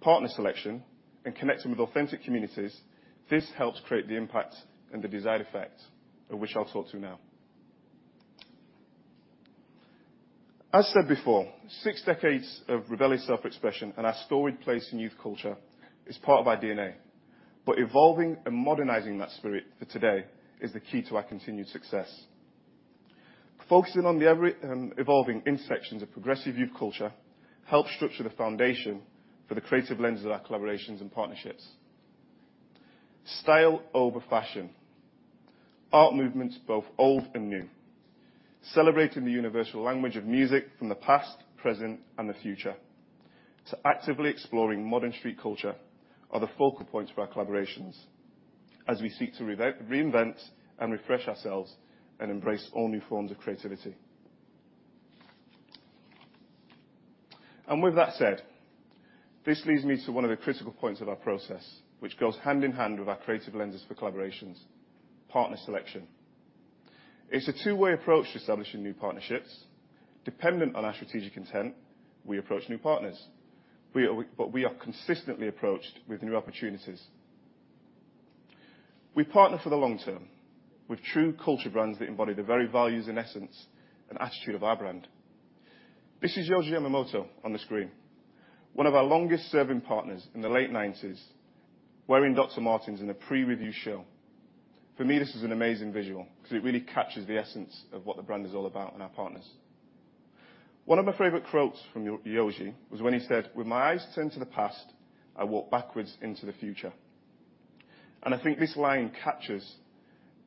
partner selection, and connecting with authentic communities, this helps create the impact and the desired effect, of which I'll talk to now. As said before, six decades of rebellious self-expression and our storied place in youth culture is part of our DNA, but evolving and modernizing that spirit for today is the key to our continued success. Focusing on the every, evolving intersections of progressive youth culture, helps structure the foundation for the creative lens of our collaborations and partnerships. Style over fashion, art movements, both old and new, celebrating the universal language of music from the past, present, and the future, to actively exploring modern street culture, are the focal points for our collaborations as we seek to reinvent and refresh ourselves and embrace all new forms of creativity. With that said, this leads me to one of the critical points of our process, which goes hand in hand with our creative lenses for collaborations: partner selection. It's a two-way approach to establishing new partnerships. Dependent on our strategic intent, we approach new partners. But we are consistently approached with new opportunities. We partner for the long term, with true culture brands that embody the very values and essence and attitude of our brand. This is Yohji Yamamoto on the screen, one of our longest-serving partners in the late nineties, wearing Dr. Martens in a pre-review show. For me, this is an amazing visual because it really captures the essence of what the brand is all about and our partners. One of my favorite quotes from Yohji was when he said: "When my eyes turn to the past, I walk backwards into the future." I think this line captures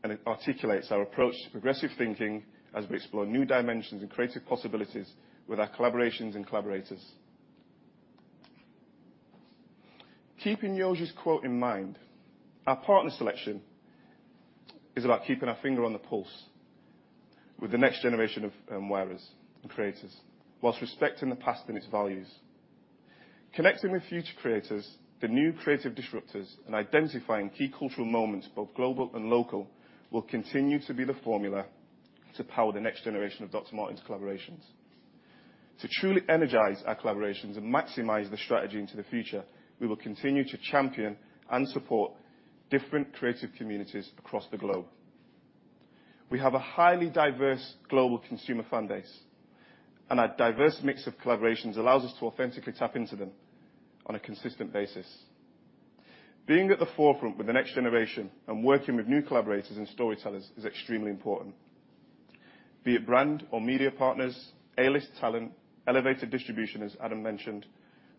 and it articulates our approach to progressive thinking as we explore new dimensions and creative possibilities with our collaborations and collaborators. Keeping Yohji's quote in mind, our partner selection is about keeping our finger on the pulse with the next generation of wearers and creators, while respecting the past and its values. Connecting with future creators, the new creative disruptors, and identifying key cultural moments, both global and local, will continue to be the formula to power the next generation of Dr. Martens collaborations. To truly energize our collaborations and maximize the strategy into the future, we will continue to champion and support different creative communities across the globe. We have a highly diverse global consumer fan base, and our diverse mix of collaborations allows us to authentically tap into them on a consistent basis. Being at the forefront with the next generation and working with new collaborators and storytellers is extremely important. Be it brand or media partners, A-list talent, elevated distribution, as Adam mentioned,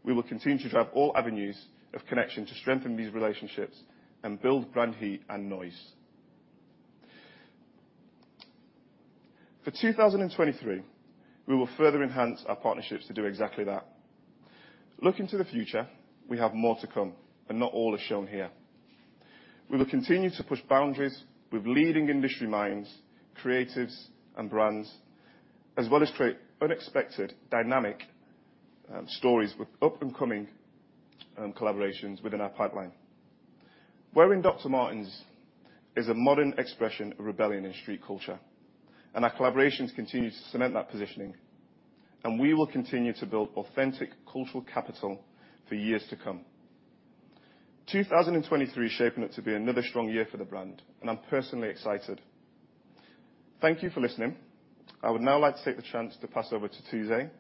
we will continue to drive all avenues of connection to strengthen these relationships and build brand heat and noise. For 2023, we will further enhance our partnerships to do exactly that. Looking to the future, we have more to come, and not all are shown here. We will continue to push boundaries with leading industry minds, creatives, and brands, as well as create unexpected, dynamic, stories with up-and-coming, collaborations within our pipeline. Wearing Dr. Martens is a modern expression of rebellion and street culture, and our collaborations continue to cement that positioning, and we will continue to build authentic cultural capital for years to come. 2023 is shaping up to be another strong year for the brand, and I'm personally excited. Thank you for listening. I would now like to take the chance to pass over to Tuze,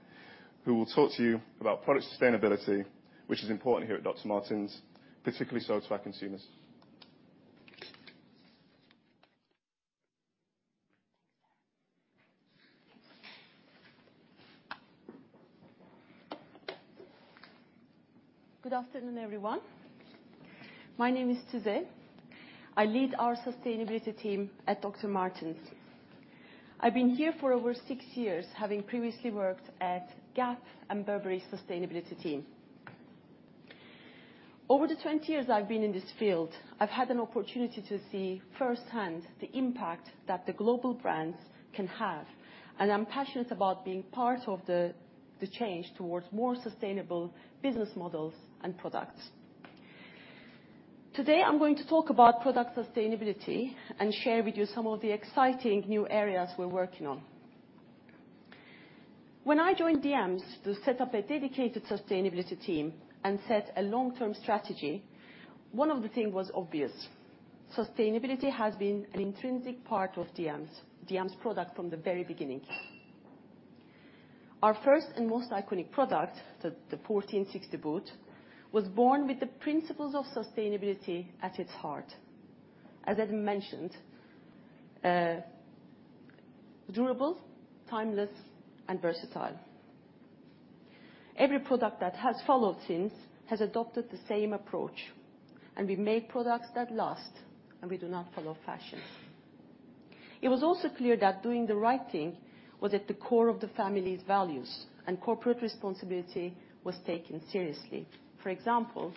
who will talk to you about product sustainability, which is important here at Dr. Martens, particularly so to our consumers. Good afternoon, everyone. My name is Tuze. I lead our sustainability team at Dr. Martens. I've been here for over six years, having previously worked at Gap and Burberry's sustainability team. Over the 20 years I've been in this field, I've had an opportunity to see firsthand the impact that the global brands can have, and I'm passionate about being part of the change towards more sustainable business models and products. Today, I'm going to talk about product sustainability and share with you some of the exciting new areas we're working on. When I joined DMs to set up a dedicated sustainability team and set a long-term strategy, one of the thing was obvious, sustainability has been an intrinsic part of DMs product from the very beginning. Our first and most iconic product, the 1460 boot, was born with the principles of sustainability at its heart. As I mentioned, durable, timeless, and versatile. Every product that has followed since has adopted the same approach, and we make products that last, and we do not follow fashion. It was also clear that doing the right thing was at the core of the family's values, and corporate responsibility was taken seriously. For example,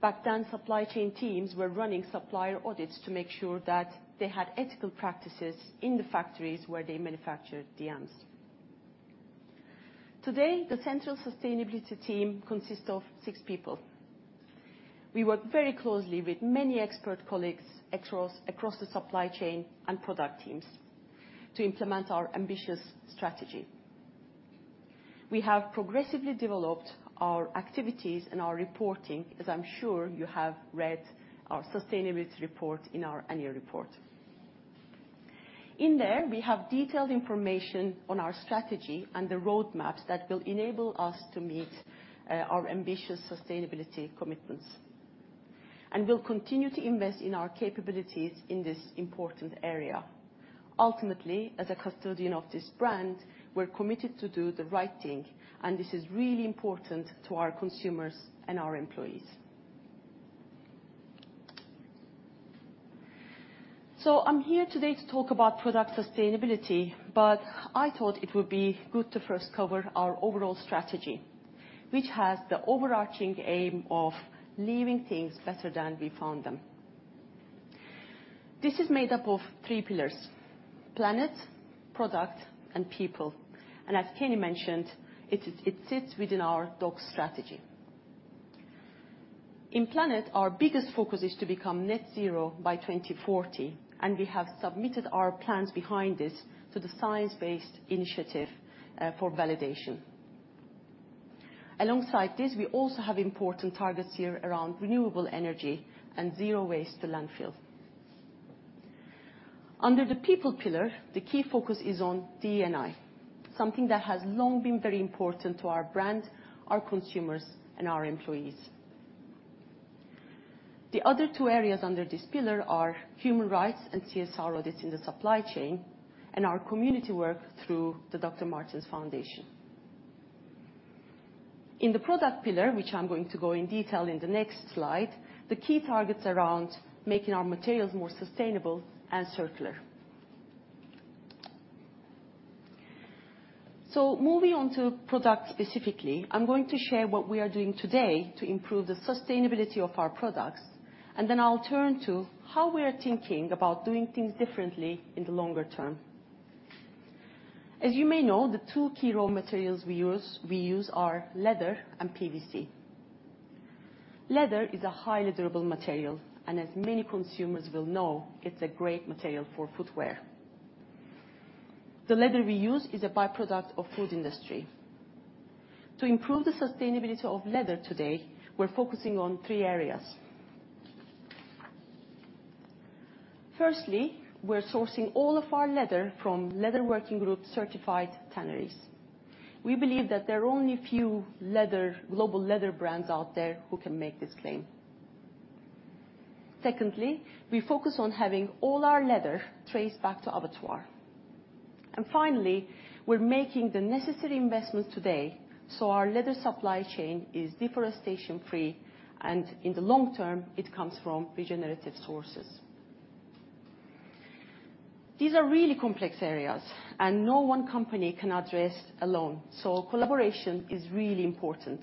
back then, supply chain teams were running supplier audits to make sure that they had ethical practices in the factories where they manufactured DMs. Today, the central sustainability team consists of six people. We work very closely with many expert colleagues across the supply chain and product teams to implement our ambitious strategy. We have progressively developed our activities and our reporting, as I'm sure you have read our sustainability report in our annual report. In there, we have detailed information on our strategy and the roadmaps that will enable us to meet our ambitious sustainability commitments. And we'll continue to invest in our capabilities in this important area. Ultimately, as a custodian of this brand, we're committed to do the right thing, and this is really important to our consumers and our employees. So I'm here today to talk about product sustainability, but I thought it would be good to first cover our overall strategy, which has the overarching aim of leaving things better than we found them. This is made up of three pillars: planet, product, and people. And as Kenny mentioned, it is, it sits within our DOCS Strategy. In planet, our biggest focus is to become Net Zero by 2040, and we have submitted our plans behind this to the Science-Based Targets Initiative for validation. Alongside this, we also have important targets here around renewable energy and zero waste to landfill. Under the people pillar, the key focus is on DE&I, something that has long been very important to our brand, our consumers, and our employees. The other two areas under this pillar are human rights and CSR audits in the supply chain, and our community work through the Dr. Martens Foundation. In the product pillar, which I'm going to go in detail in the next slide, the key targets around making our materials more sustainable and circular. So moving on to product specifically, I'm going to share what we are doing today to improve the sustainability of our products, and then I'll turn to how we are thinking about doing things differently in the longer term. As you may know, the two key raw materials we use, we use are leather and PVC. Leather is a highly durable material, and as many consumers will know, it's a great material for footwear. The leather we use is a by-product of food industry. To improve the sustainability of leather today, we're focusing on three areas. Firstly, we're sourcing all of our leather from Leather Working Group certified tanneries. We believe that there are only a few global leather brands out there who can make this claim. Secondly, we focus on having all our leather traced back to abattoir. And finally, we're making the necessary investments today, so our leather supply chain is deforestation free, and in the long term it comes from regenerative sources. These are really complex areas, and no one company can address alone, so collaboration is really important.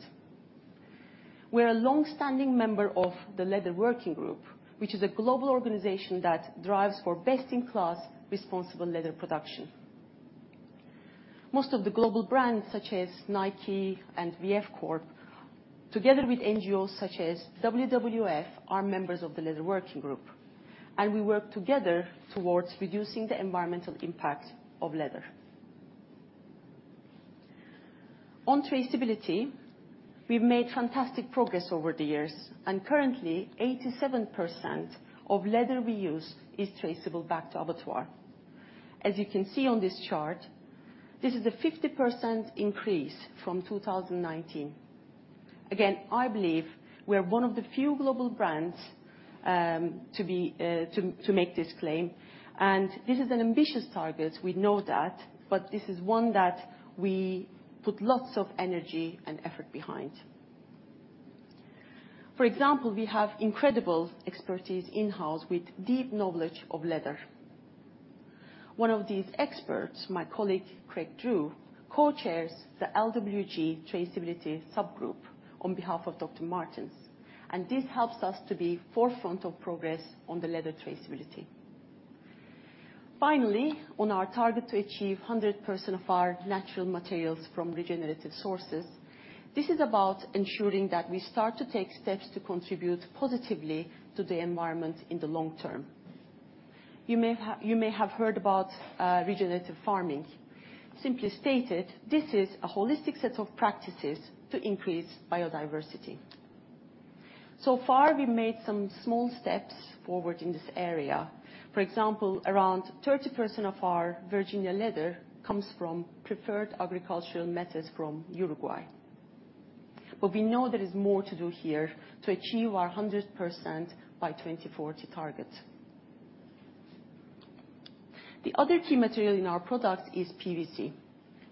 We're a long-standing member of the Leather Working Group, which is a global organization that drives for best-in-class responsible leather production. Most of the global brands, such as Nike and VF Corp, together with NGOs such as WWF, are members of the Leather Working Group, and we work together towards reducing the environmental impact of leather. On traceability, we've made fantastic progress over the years, and currently, 87% of leather we use is traceable back to abattoir. As you can see on this chart, this is a 50% increase from 2019. Again, I believe we are one of the few global brands to make this claim, and this is an ambitious target we know that, but this is one that we put lots of energy and effort behind. For example, we have incredible expertise in-house with deep knowledge of leather. One of these experts, my colleague, Craig Drew, co-chairs the LWG Traceability Subgroup on behalf of Dr. Martens, and this helps us to be forefront of progress on the leather traceability. Finally, on our target to achieve 100% of our natural materials from regenerative sources, this is about ensuring that we start to take steps to contribute positively to the environment in the long term. You may have, you may have heard about, regenerative farming. Simply stated, this is a holistic set of practices to increase biodiversity. So far, we've made some small steps forward in this area. For example, around 30% of our Virginia leather comes from preferred agricultural methods from Uruguay. But we know there is more to do here to achieve our 100% by 2040 target. The other key material in our products is PVC,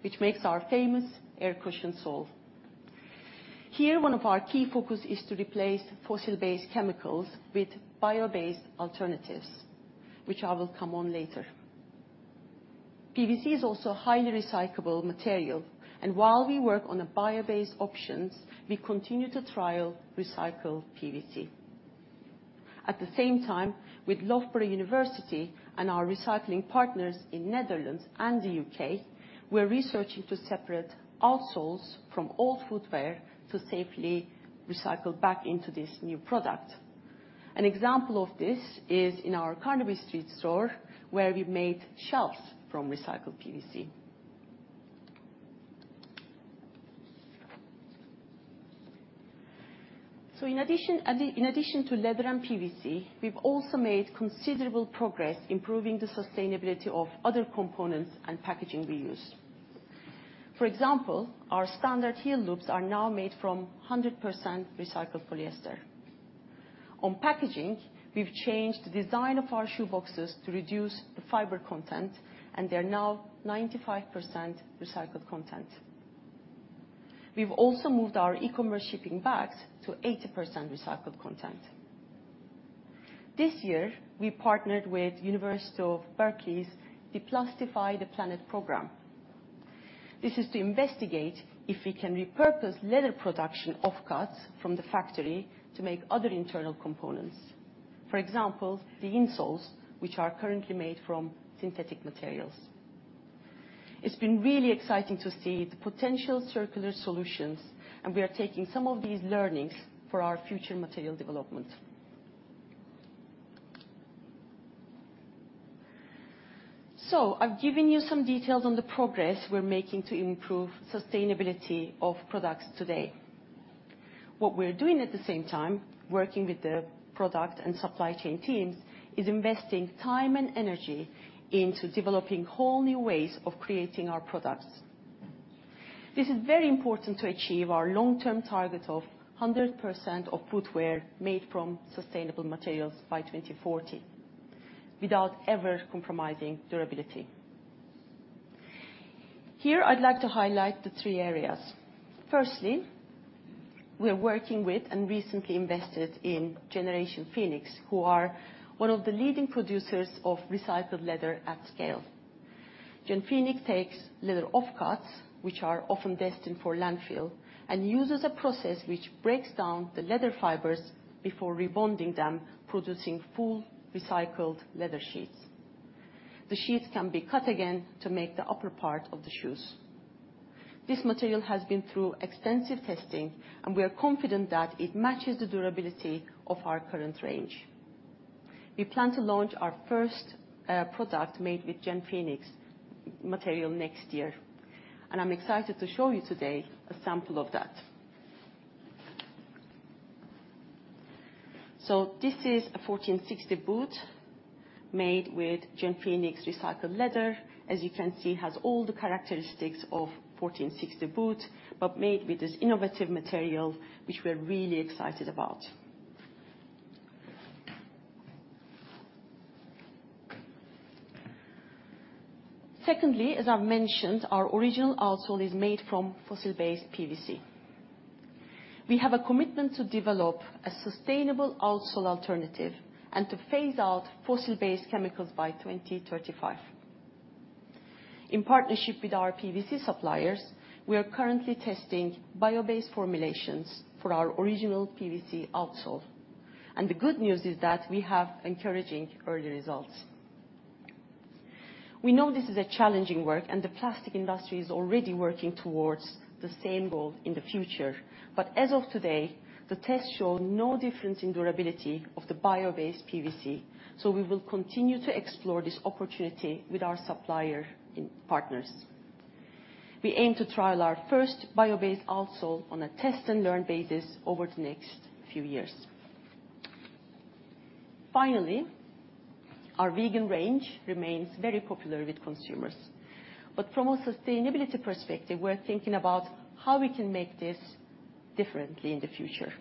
which makes our famous air-cushion sole. Here, one of our key focus is to replace fossil-based chemicals with bio-based alternatives, which I will come on later. PVC is also a highly recyclable material, and while we work on the bio-based options, we continue to trial recycled PVC. At the same time, with Loughborough University and our recycling partners in Netherlands and the U.K., we're researching to separate outsoles from old footwear to safely recycle back into this new product. An example of this is in our Carnaby Street store, where we made shelves from recycled PVC. So, in addition to leather and PVC, we've also made considerable progress improving the sustainability of other components and packaging we use. For example, our standard heel loops are now made from 100% recycled polyester. On packaging, we've changed the design of our shoe boxes to reduce the fiber content, and they are now 95% recycled content. We've also moved our e-commerce shipping bags to 80% recycled content. This year, we partnered with University of California, Berkeley's Deplastify the Planet program. This is to investigate if we can repurpose leather production offcuts from the factory to make other internal components. For example, the insoles, which are currently made from synthetic materials. It's been really exciting to see the potential circular solutions, and we are taking some of these learnings for our future material development. So I've given you some details on the progress we're making to improve sustainability of products today. What we're doing at the same time, working with the product and supply chain teams, is investing time and energy into developing whole new ways of creating our products. This is very important to achieve our long-term target of 100% of footwear made from sustainable materials by 2040, without ever compromising durability. Here, I'd like to highlight the three areas. Firstly, we are working with and recently invested in Gen Phoenix, who are one of the leading producers of recycled leather at scale. Gen Phoenix takes leather offcuts, which are often destined for landfill, and uses a process which breaks down the leather fibers before rebonding them, producing full recycled leather sheets. The sheets can be cut again to make the upper part of the shoes. This material has been through extensive testing, and we are confident that it matches the durability of our current range. We plan to launch our first product made with Gen Phoenix material next year, and I'm excited to show you today a sample of that. So this is a 1460 boot made with Gen Phoenix recycled leather. As you can see, it has all the characteristics of 1460 boot, but made with this innovative material, which we're really excited about. Secondly, as I've mentioned, our original outsole is made from fossil-based PVC. We have a commitment to develop a sustainable outsole alternative and to phase out fossil-based chemicals by 2035. In partnership with our PVC suppliers, we are currently testing bio-based formulations for our original PVC outsole, and the good news is that we have encouraging early results. We know this is a challenging work, and the plastic industry is already working towards the same goal in the future. But as of today, the tests show no difference in durability of the bio-based PVC, so we will continue to explore this opportunity with our supplier and partners. We aim to trial our first bio-based outsole on a test-and-learn basis over the next few years. Finally, our vegan range remains very popular with consumers, but from a sustainability perspective, we're thinking about how we can make this differently in the future.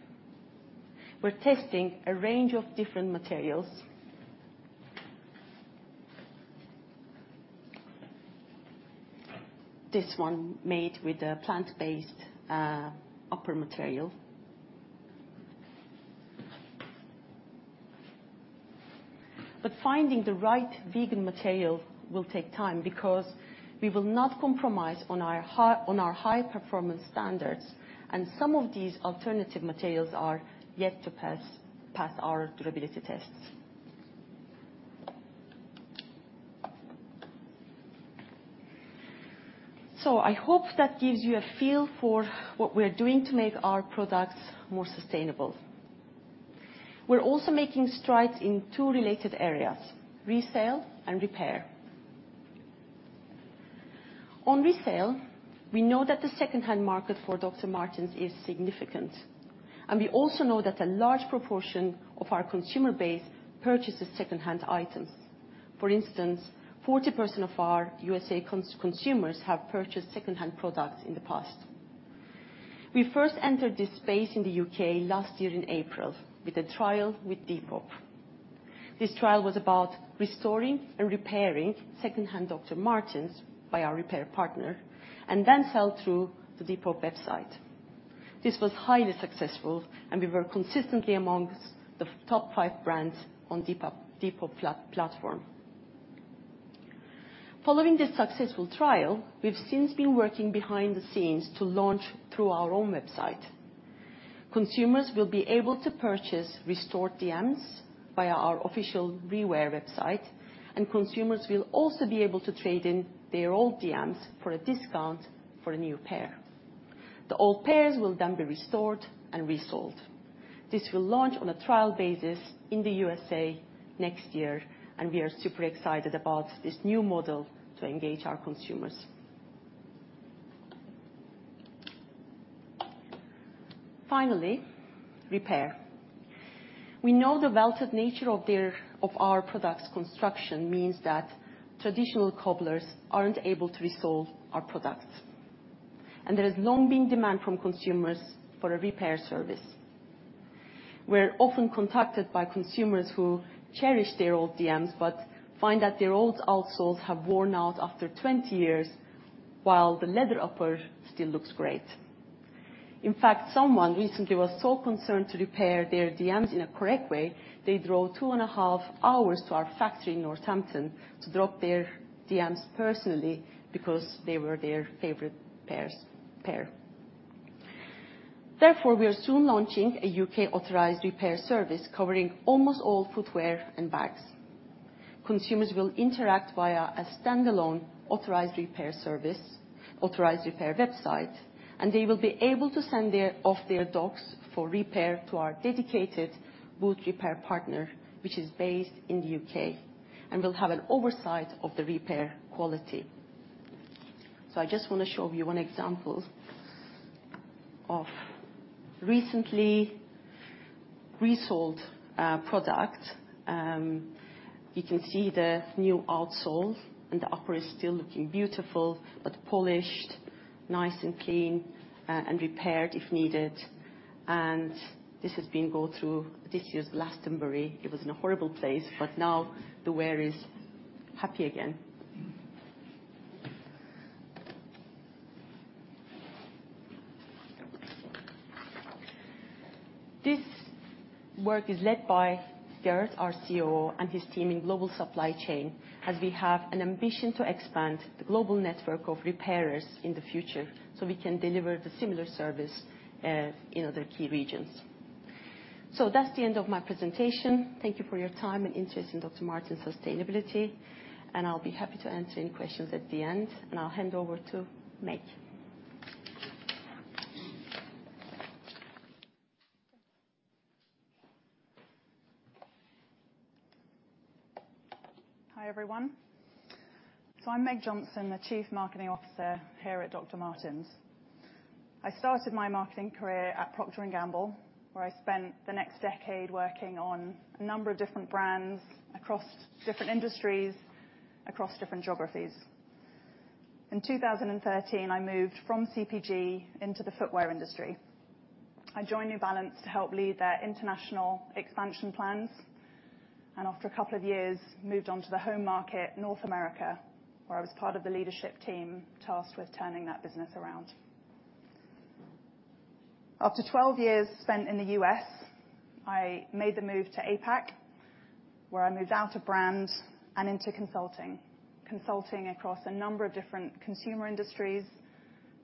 We're testing a range of different materials. This one made with a plant-based upper material. But finding the right vegan material will take time, because we will not compromise on our high performance standards, and some of these alternative materials are yet to pass our durability tests. So I hope that gives you a feel for what we're doing to make our products more sustainable. We're also making strides in two related areas, resale and repair. On resale, we know that the secondhand market for Dr. Martens is significant, and we also know that a large proportion of our consumer base purchases secondhand items. For instance, 40% of our USA consumers have purchased secondhand products in the past. We first entered this space in the U.K. last year in April with a trial with Depop. This trial was about restoring and repairing secondhand Dr. Martens by our repair partner, and then sell through the Depop website. This was highly successful, and we were consistently amongst the top five brands on Depop platform. Following this successful trial, we've since been working behind the scenes to launch through our own website. Consumers will be able to purchase restored DMs via our official ReWair website, and consumers will also be able to trade in their old DMs for a discount for a new pair. The old pairs will then be restored and resold. This will launch on a trial basis in the USA next year, and we are super excited about this new model to engage our consumers. Finally, repair. We know the welted nature of our product's construction means that traditional cobblers aren't able to resole our products, and there has long been demand from consumers for a repair service. We're often contacted by consumers who cherish their old DMs, but find that their old outsoles have worn out after 20 years, while the leather upper still looks great. In fact, someone recently was so concerned to repair their DMs in a correct way, they drove 2.5 hours to our factory in Northampton to drop their DMs personally, because they were their favorite pair. Therefore, we are soon launching a U.K. authorized repair service, covering almost all footwear and bags. Consumers will interact via a standalone authorized repair service, authorized repair website, and they will be able to send their Docs off for repair to our dedicated boot repair partner, which is based in the U.K., and will have an oversight of the repair quality. So I just want to show you one example of recently resoled product. You can see the new outsoles, and the upper is still looking beautiful, but polished, nice and clean, and repaired if needed. And this has been through this year's Glastonbury. It was in a horrible place, but now the wearer is happy again. This work is led by Gerd, our COO, and his team in global supply chain, as we have an ambition to expand the global network of repairers in the future, so we can deliver the similar service in other key regions. So that's the end of my presentation. Thank you for your time and interest in Dr. Martens sustainability, and I'll be happy to answer any questions at the end, and I'll hand over to Meg. Hi, everyone. So I'm Meg Johnson, the Chief Marketing Officer here at Dr. Martens. I started my marketing career at Procter & Gamble, where I spent the next decade working on a number of different brands across different industries, across different geographies. In 2013, I moved from CPG into the footwear industry. I joined New Balance to help lead their international expansion plans, and after a couple of years, moved on to the home market, North America, where I was part of the leadership team tasked with turning that business around. After 12 years spent in the U.S., I made the move to APAC, where I moved out of brand and into consulting. Consulting across a number of different consumer industries,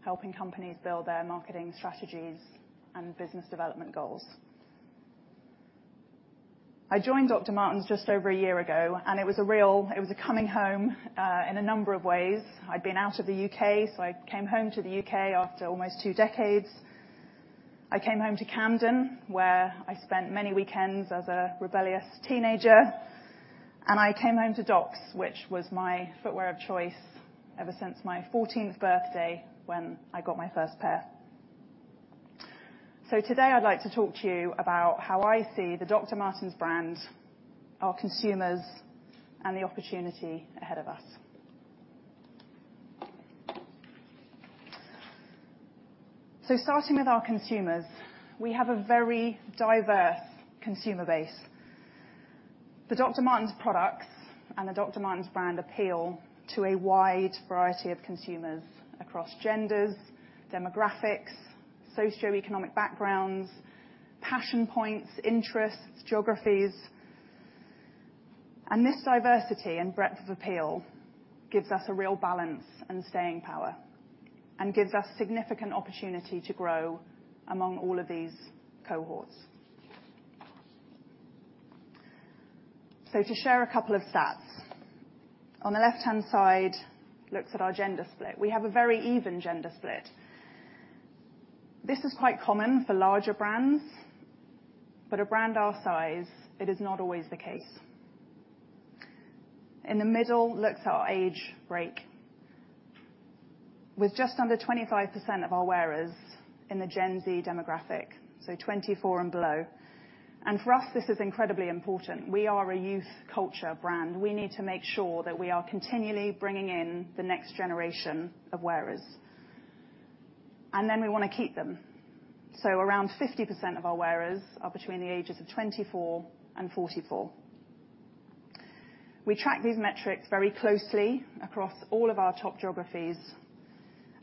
helping companies build their marketing strategies and business development goals. I joined Dr. Martens just over a year ago, and it was a real coming home in a number of ways. I'd been out of the U.K., so I came home to the U.K. after almost two decades. I came home to Camden, where I spent many weekends as a rebellious teenager, and I came home to Docs, which was my footwear of choice ever since my fourteenth birthday, when I got my first pair. So today, I'd like to talk to you about how I see the Dr. Martens brand, our consumers, and the opportunity ahead of us. So starting with our consumers, we have a very diverse consumer base. The Dr. Martens products and the Dr. Martens brand appeal to a wide variety of consumers across genders, demographics, socioeconomic backgrounds, passion points, interests, geographies. This diversity and breadth of appeal gives us a real balance and staying power, and gives us significant opportunity to grow among all of these cohorts. To share a couple of stats. On the left-hand side, looks at our gender split. We have a very even gender split. This is quite common for larger brands, but a brand our size, it is not always the case. In the middle, looks at our age break, with just under 25% of our wearers in the Gen Z demographic, so 24 and below. For us, this is incredibly important. We are a youth culture brand. We need to make sure that we are continually bringing in the next generation of wearers, and then we want to keep them. Around 50% of our wearers are between the ages of 24 and 44. We track these metrics very closely across all of our top geographies,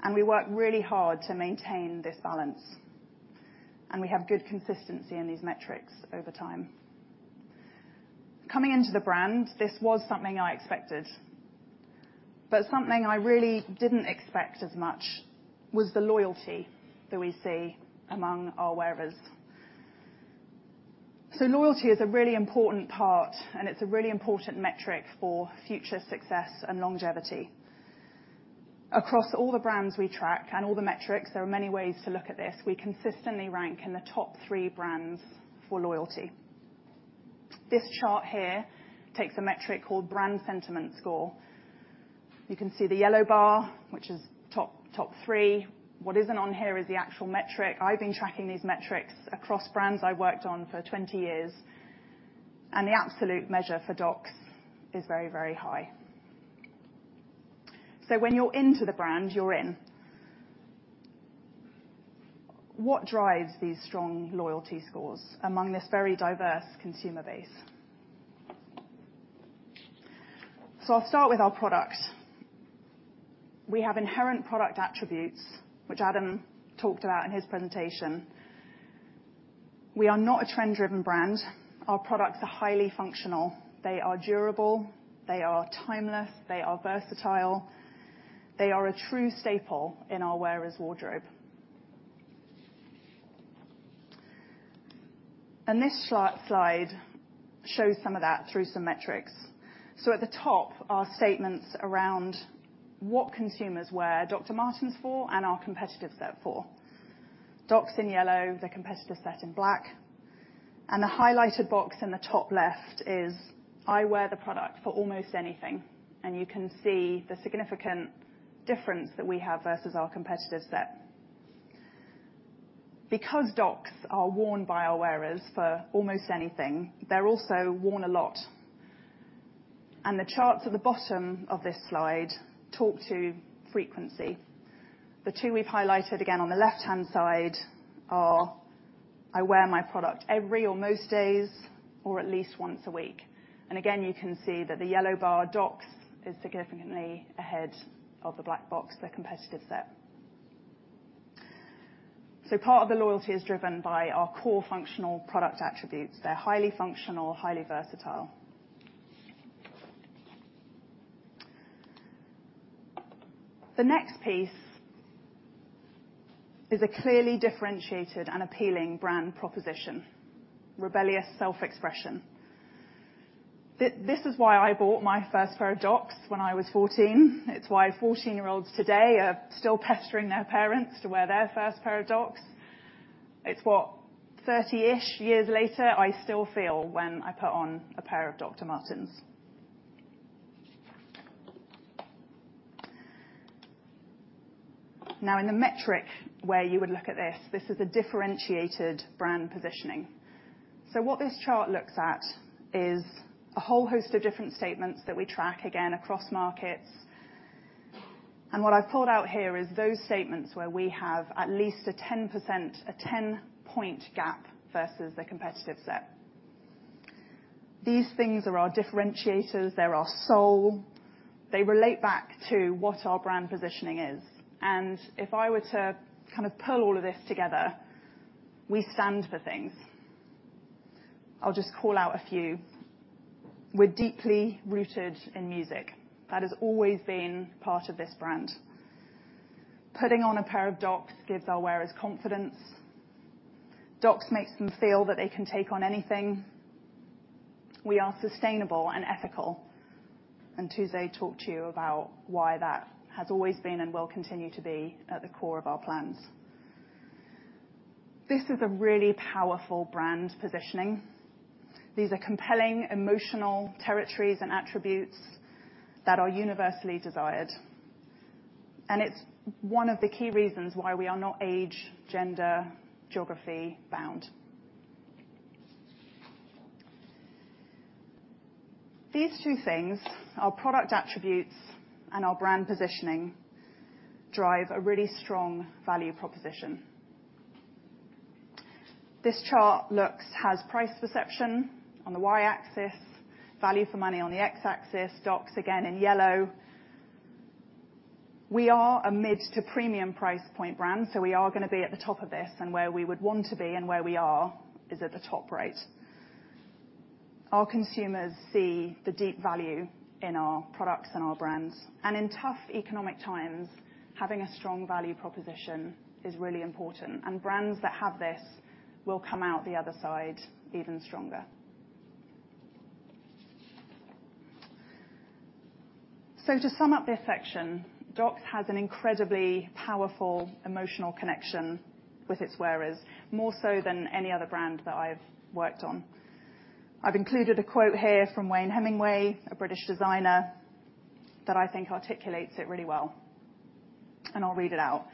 and we work really hard to maintain this balance, and we have good consistency in these metrics over time. Coming into the brand, this was something I expected, but something I really didn't expect as much was the loyalty that we see among our wearers. So loyalty is a really important part, and it's a really important metric for future success and longevity. Across all the brands we track and all the metrics, there are many ways to look at this. We consistently rank in the top three brands for loyalty. This chart here takes a metric called brand sentiment score. You can see the yellow bar, which is top, top three. What isn't on here is the actual metric. I've been tracking these metrics across brands I've worked on for 20 years, and the absolute measure for Docs is very, very high. So when you're into the brand, you're in. What drives these strong loyalty scores among this very diverse consumer base? So I'll start with our product. We have inherent product attributes, which Adam talked about in his presentation. We are not a trend-driven brand. Our products are highly functional. They are durable, they are timeless, they are versatile. They are a true staple in our wearer's wardrobe. And this slide shows some of that through some metrics. So at the top are statements around what consumers wear Dr. Martens for and our competitive set for. Docs in yellow, the competitive set in black, and the highlighted box in the top left is, "I wear the product for almost anything." You can see the significant difference that we have versus our competitive set. Because Docs are worn by our wearers for almost anything, they're also worn a lot, and the charts at the bottom of this slide talk to frequency. The two we've highlighted, again, on the left-hand side are, "I wear my product every or most days, or at least once a week." Again, you can see that the yellow bar, Docs, is significantly ahead of the black box, the competitive set. So part of the loyalty is driven by our core functional product attributes. They're highly functional, highly versatile. The next piece is a clearly differentiated and appealing brand proposition: rebellious self-expression. This is why I bought my first pair of Docs when I was 14. It's why 14-year-olds today are still pestering their parents to wear their first pair of Docs. It's what 30-ish years later, I still feel when I put on a pair of Dr. Martens. Now, in the metric where you would look at this, this is a differentiated brand positioning. So what this chart looks at is a whole host of different statements that we track, again, across markets. And what I've pulled out here is those statements where we have at least a 10%, a 10-point gap versus the competitive set. These things are our differentiators, they're our soul. They relate back to what our brand positioning is, and if I were to kind of pull all of this together, we stand for things. I'll just call out a few. We're deeply rooted in music. That has always been part of this brand. Putting on a pair of Docs gives our wearers confidence. Docs makes them feel that they can take on anything. We are sustainable and ethical, and Tuze talked to you about why that has always been and will continue to be at the core of our plans. This is a really powerful brand positioning. These are compelling, emotional territories and attributes that are universally desired, and it's one of the key reasons why we are not age, gender, geography-bound. These two things, our product attributes and our brand positioning, drive a really strong value proposition. This chart has price perception on the Y-axis, value for money on the X-axis, Docs again in yellow. We are a mid to premium price point brand, so we are going to be at the top of this, and where we would want to be and where we are, is at the top rate. Our consumers see the deep value in our products and our brands, and in tough economic times, having a strong value proposition is really important, and brands that have this will come out the other side even stronger. So to sum up this section, Docs has an incredibly powerful emotional connection with its wearers, more so than any other brand that I've worked on. I've included a quote here from Wayne Hemingway, a British designer, that I think articulates it really well, and I'll read it out.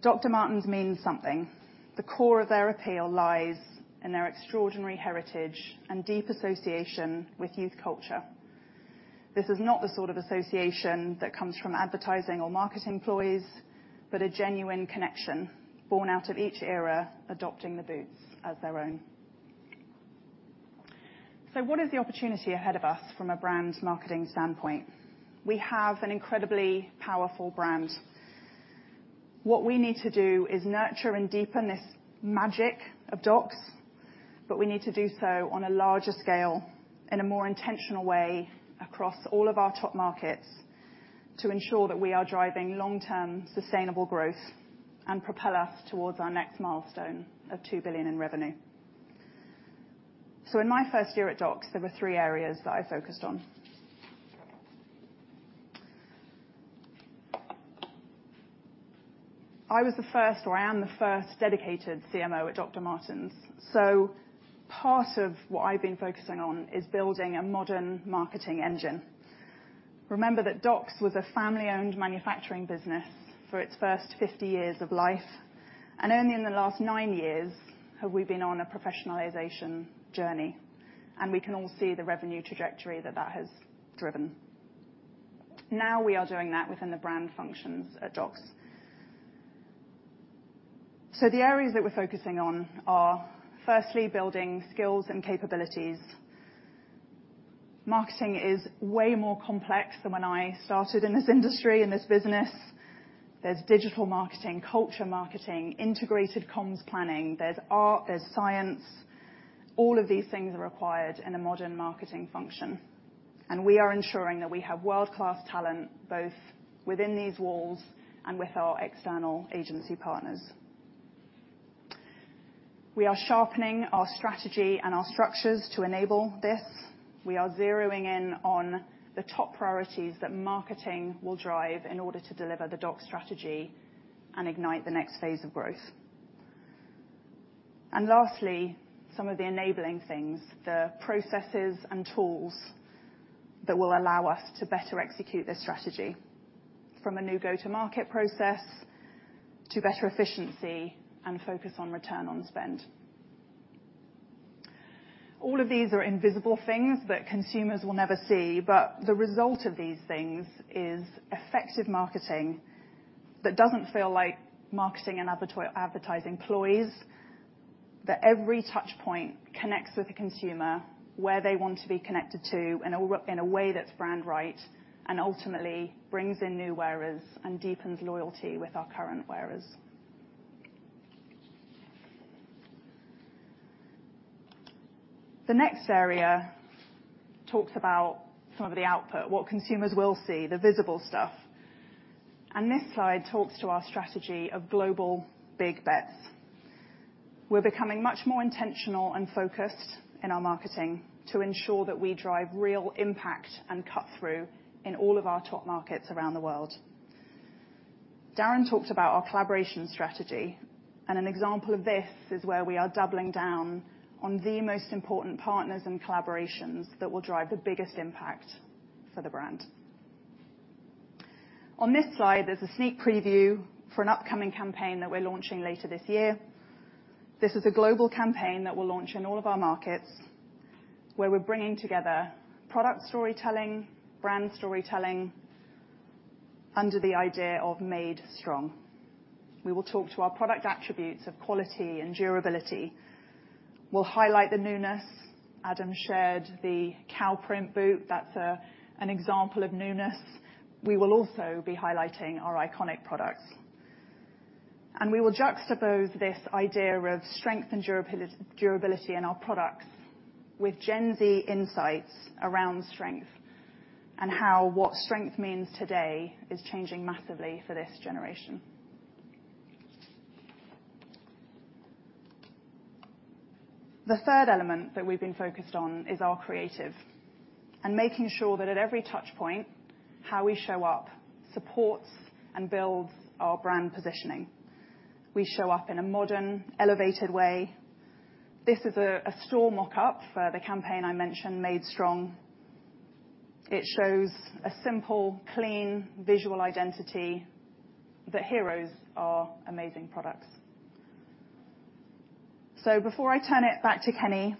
"Dr. Martens means something. The core of their appeal lies in their extraordinary heritage and deep association with youth culture. This is not the sort of association that comes from advertising or marketing employees, but a genuine connection born out of each era, adopting the boots as their own." So what is the opportunity ahead of us from a brand marketing standpoint? We have an incredibly powerful brand. What we need to do is nurture and deepen this magic of Docs, but we need to do so on a larger scale, in a more intentional way, across all of our top markets, to ensure that we are driving long-term, sustainable growth and propel us towards our next milestone of 2 billion in revenue. So in my first year at Docs, there were three areas that I focused on. I was the first, or I am the first, dedicated CMO at Dr. Martens, so part of what I've been focusing on is building a modern marketing engine. Remember that Docs was a family-owned manufacturing business for its first 50 years of life, and only in the last 9 years have we been on a professionalization journey, and we can all see the revenue trajectory that that has driven. Now we are doing that within the brand functions at Docs. So the areas that we're focusing on are, firstly, building skills and capabilities. Marketing is way more complex than when I started in this industry, in this business. There's digital marketing, culture marketing, integrated comms planning. There's art, there's science. All of these things are required in a modern marketing function, and we are ensuring that we have world-class talent, both within these walls and with our external agency partners. We are sharpening our strategy and our structures to enable this. We are zeroing in on the top priorities that marketing will drive in order to deliver the Doc strategy and ignite the next phase of growth. And lastly, some of the enabling things, the processes and tools that will allow us to better execute this strategy, from a new go-to-market process to better efficiency and focus on return on spend. All of these are invisible things that consumers will never see, but the result of these things is effective marketing that doesn't feel like marketing and advertising ploys, that every touch point connects with the consumer where they want to be connected to, in a way that's brand-right, and ultimately brings in new wearers and deepens loyalty with our current wearers. The next area talks about some of the output, what consumers will see, the visible stuff, and this slide talks to our strategy of global big bets. We're becoming much more intentional and focused in our marketing to ensure that we drive real impact and cut through in all of our top markets around the world. Darren talked about our collaboration strategy, and an example of this is where we are doubling down on the most important partners and collaborations that will drive the biggest impact for the brand. On this slide, there's a sneak preview for an upcoming campaign that we're launching later this year. This is a global campaign that will launch in all of our markets, where we're bringing together product storytelling, brand storytelling, under the idea of Made Strong. We will talk to our product attributes of quality and durability. We'll highlight the newness. Adam shared the cow print boot. That's an example of newness. We will also be highlighting our iconic products. We will juxtapose this idea of strength and durability in our products with Gen Z insights around strength, and how what strength means today is changing massively for this generation. The third element that we've been focused on is our creative, and making sure that at every touch point, how we show up supports and builds our brand positioning. We show up in a modern, elevated way. This is a store mock-up for the campaign I mentioned, Made Strong. It shows a simple, clean visual identity. The heroes are amazing products. So before I turn it back to Kenny,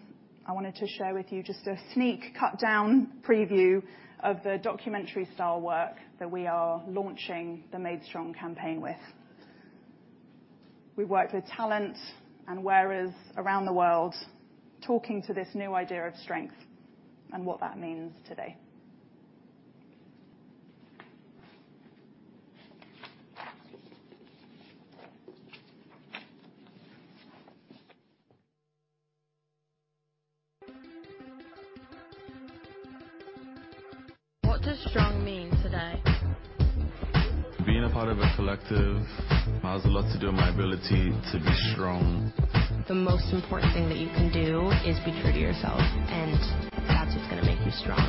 I wanted to share with you just a sneak, cut down preview of the documentary-style work that we are launching the Made Strong campaign with. We worked with talent and wearers around the world, talking to this new idea of strength and what that means today. What does strong mean today? Being a part of a collective has a lot to do with my ability to be strong. The most important thing that you can do is be true to yourself, and that's what's gonna make you strong.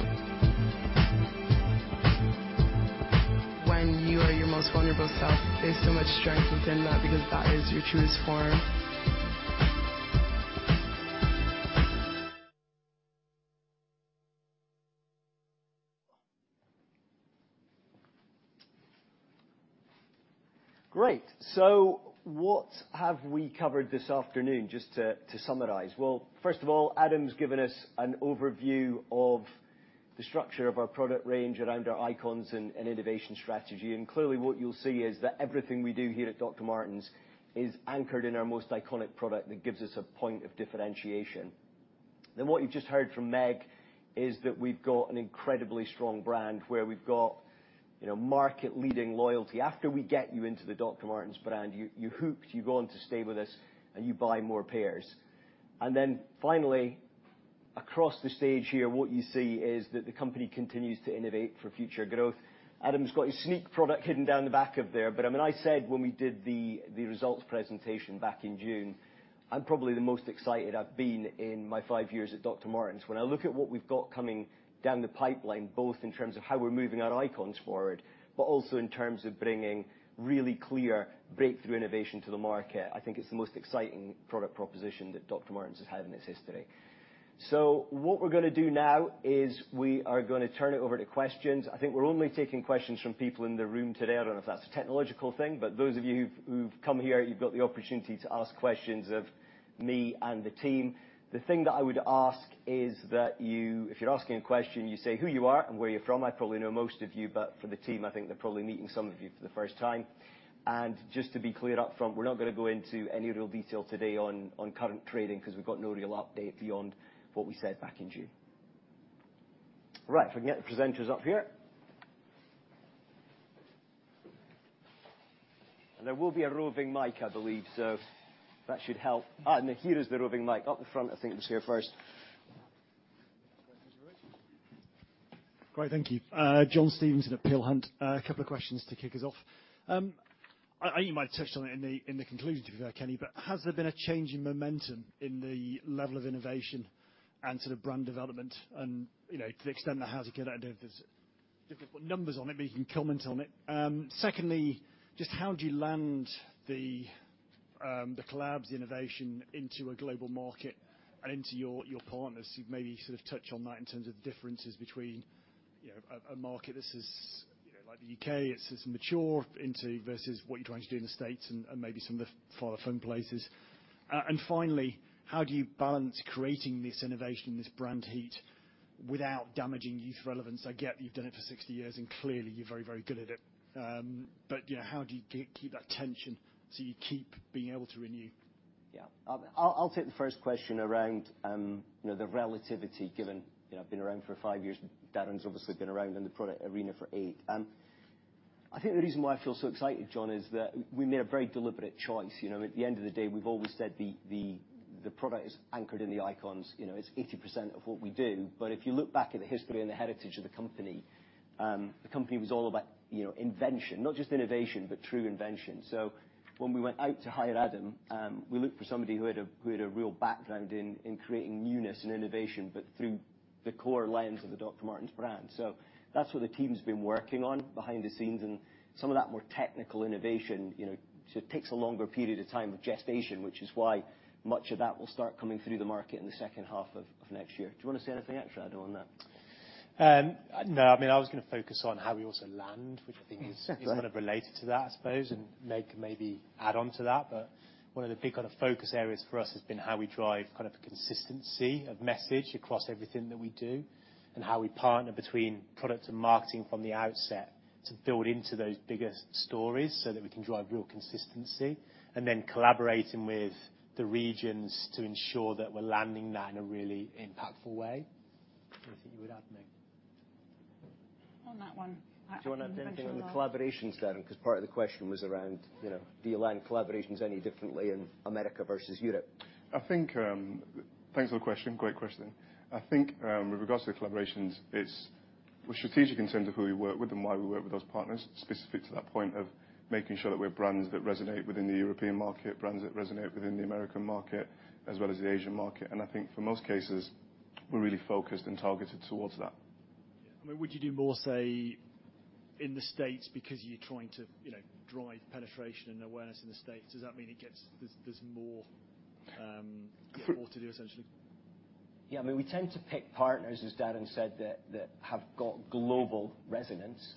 When you are your most vulnerable self, there's so much strength within that, because that is your truest form. Great! So what have we covered this afternoon, just to summarize? Well, first of all, Adam's given us an overview of the structure of our product range around our icons and innovation strategy. Clearly, what you'll see is that everything we do here at Dr. Martens is anchored in our most iconic product that gives us a point of differentiation. What you've just heard from Meg is that we've got an incredibly strong brand, where we've got, you know, market-leading loyalty. After we get you into the Dr. Martens brand, you're hooked, you go on to stay with us, and you buy more pairs. Finally, across the stage here, what you see is that the company continues to innovate for future growth. Adam's got his sneak product hidden down the back of there, but, I mean, I said when we did the results presentation back in June, I'm probably the most excited I've been in my five years at Dr. Martens. When I look at what we've got coming down the pipeline, both in terms of how we're moving our icons forward, but also in terms of bringing really clear breakthrough innovation to the market, I think it's the most exciting product proposition that Dr. Martens has had in its history. So what we're gonna do now is we are gonna turn it over to questions. I think we're only taking questions from people in the room today. I don't know if that's a technological thing, but those of you who've come here, you've got the opportunity to ask questions of me and the team. The thing that I would ask is that you. If you're asking a question, you say who you are and where you're from. I probably know most of you, but for the team, I think they're probably meeting some of you for the first time. Just to be clear up front, we're not gonna go into any real detail today on current trading, because we've got no real update beyond what we said back in June. Right, if we can get the presenters up here. And there will be a roving mic, I believe, so that should help. Ah, and here is the roving mic. Up the front, I think it was here first. Great. Thank you. John Stevenson at Peel Hunt. A couple of questions to kick us off. You might have touched on it in the, in the conclusion, to be fair, Kenny, but has there been a change in momentum in the level of innovation and sort of brand development? And, you know, to the extent that how to get out of this, difficult numbers on it, but you can comment on it. Secondly, just how do you land the, the collabs innovation into a global market and into your, your partners? So maybe sort of touch on that in terms of the differences between, you know, a, a market this is, you know, like the U.K., it's mature into, versus what you're trying to do in the States and, and maybe some of the farther flung places. And finally, how do you balance creating this innovation, this brand heat, without damaging youth relevance? I get that you've done it for 60 years, and clearly you're very, very good at it. But, you know, how do you keep that tension so you keep being able to renew? Yeah. I'll take the first question around, you know, the relativity, given, you know, I've been around for five years, Darren's obviously been around in the product arena for eight. I think the reason why I feel so excited, John, is that we made a very deliberate choice. You know, at the end of the day, we've always said the product is anchored in the icons. You know, it's 80% of what we do. But if you look back at the history and the heritage of the company, the company was all about, you know, invention, not just innovation, but true invention. So when we went out to hire Adam, we looked for somebody who had a real background in creating newness and innovation, but through the core lens of the Dr. Martens brand. That's what the team's been working on behind the scenes and some of that more technical innovation, you know, so it takes a longer period of time of gestation, which is why much of that will start coming through the market in the second half of next year. Do you want to say anything extra, Adam, on that? No. I mean, I was gonna focus on how we also land, which I think is Right kind of related to that, I suppose, and Meg can maybe add on to that. But one of the big kind of focus areas for us has been how we drive kind of a consistency of message across everything that we do, and how we partner between product and marketing from the outset to build into those bigger stories so that we can drive real consistency, and then collaborating with the regions to ensure that we're landing that in a really impactful way. Is there anything you would add, Meg? On that one Do you want to add anything on the collaborations then? Because part of the question was around, you know, do you land collaborations any differently in America versus Europe? I think. Thanks for the question. Great question. I think, with regards to the collaborations, it's, we're strategic in terms of who we work with and why we work with those partners, specific to that point of making sure that we're brands that resonate within the European market, brands that resonate within the American market, as well as the Asian market. And I think for most cases, we're really focused and targeted towards that. Yeah. I mean, would you do more, say, in the States, because you're trying to, you know, drive penetration and awareness in the States? Does that mean it gets- there's more to do, essentially? Yeah. I mean, we tend to pick partners, as Darren said, that, that have got global resonance.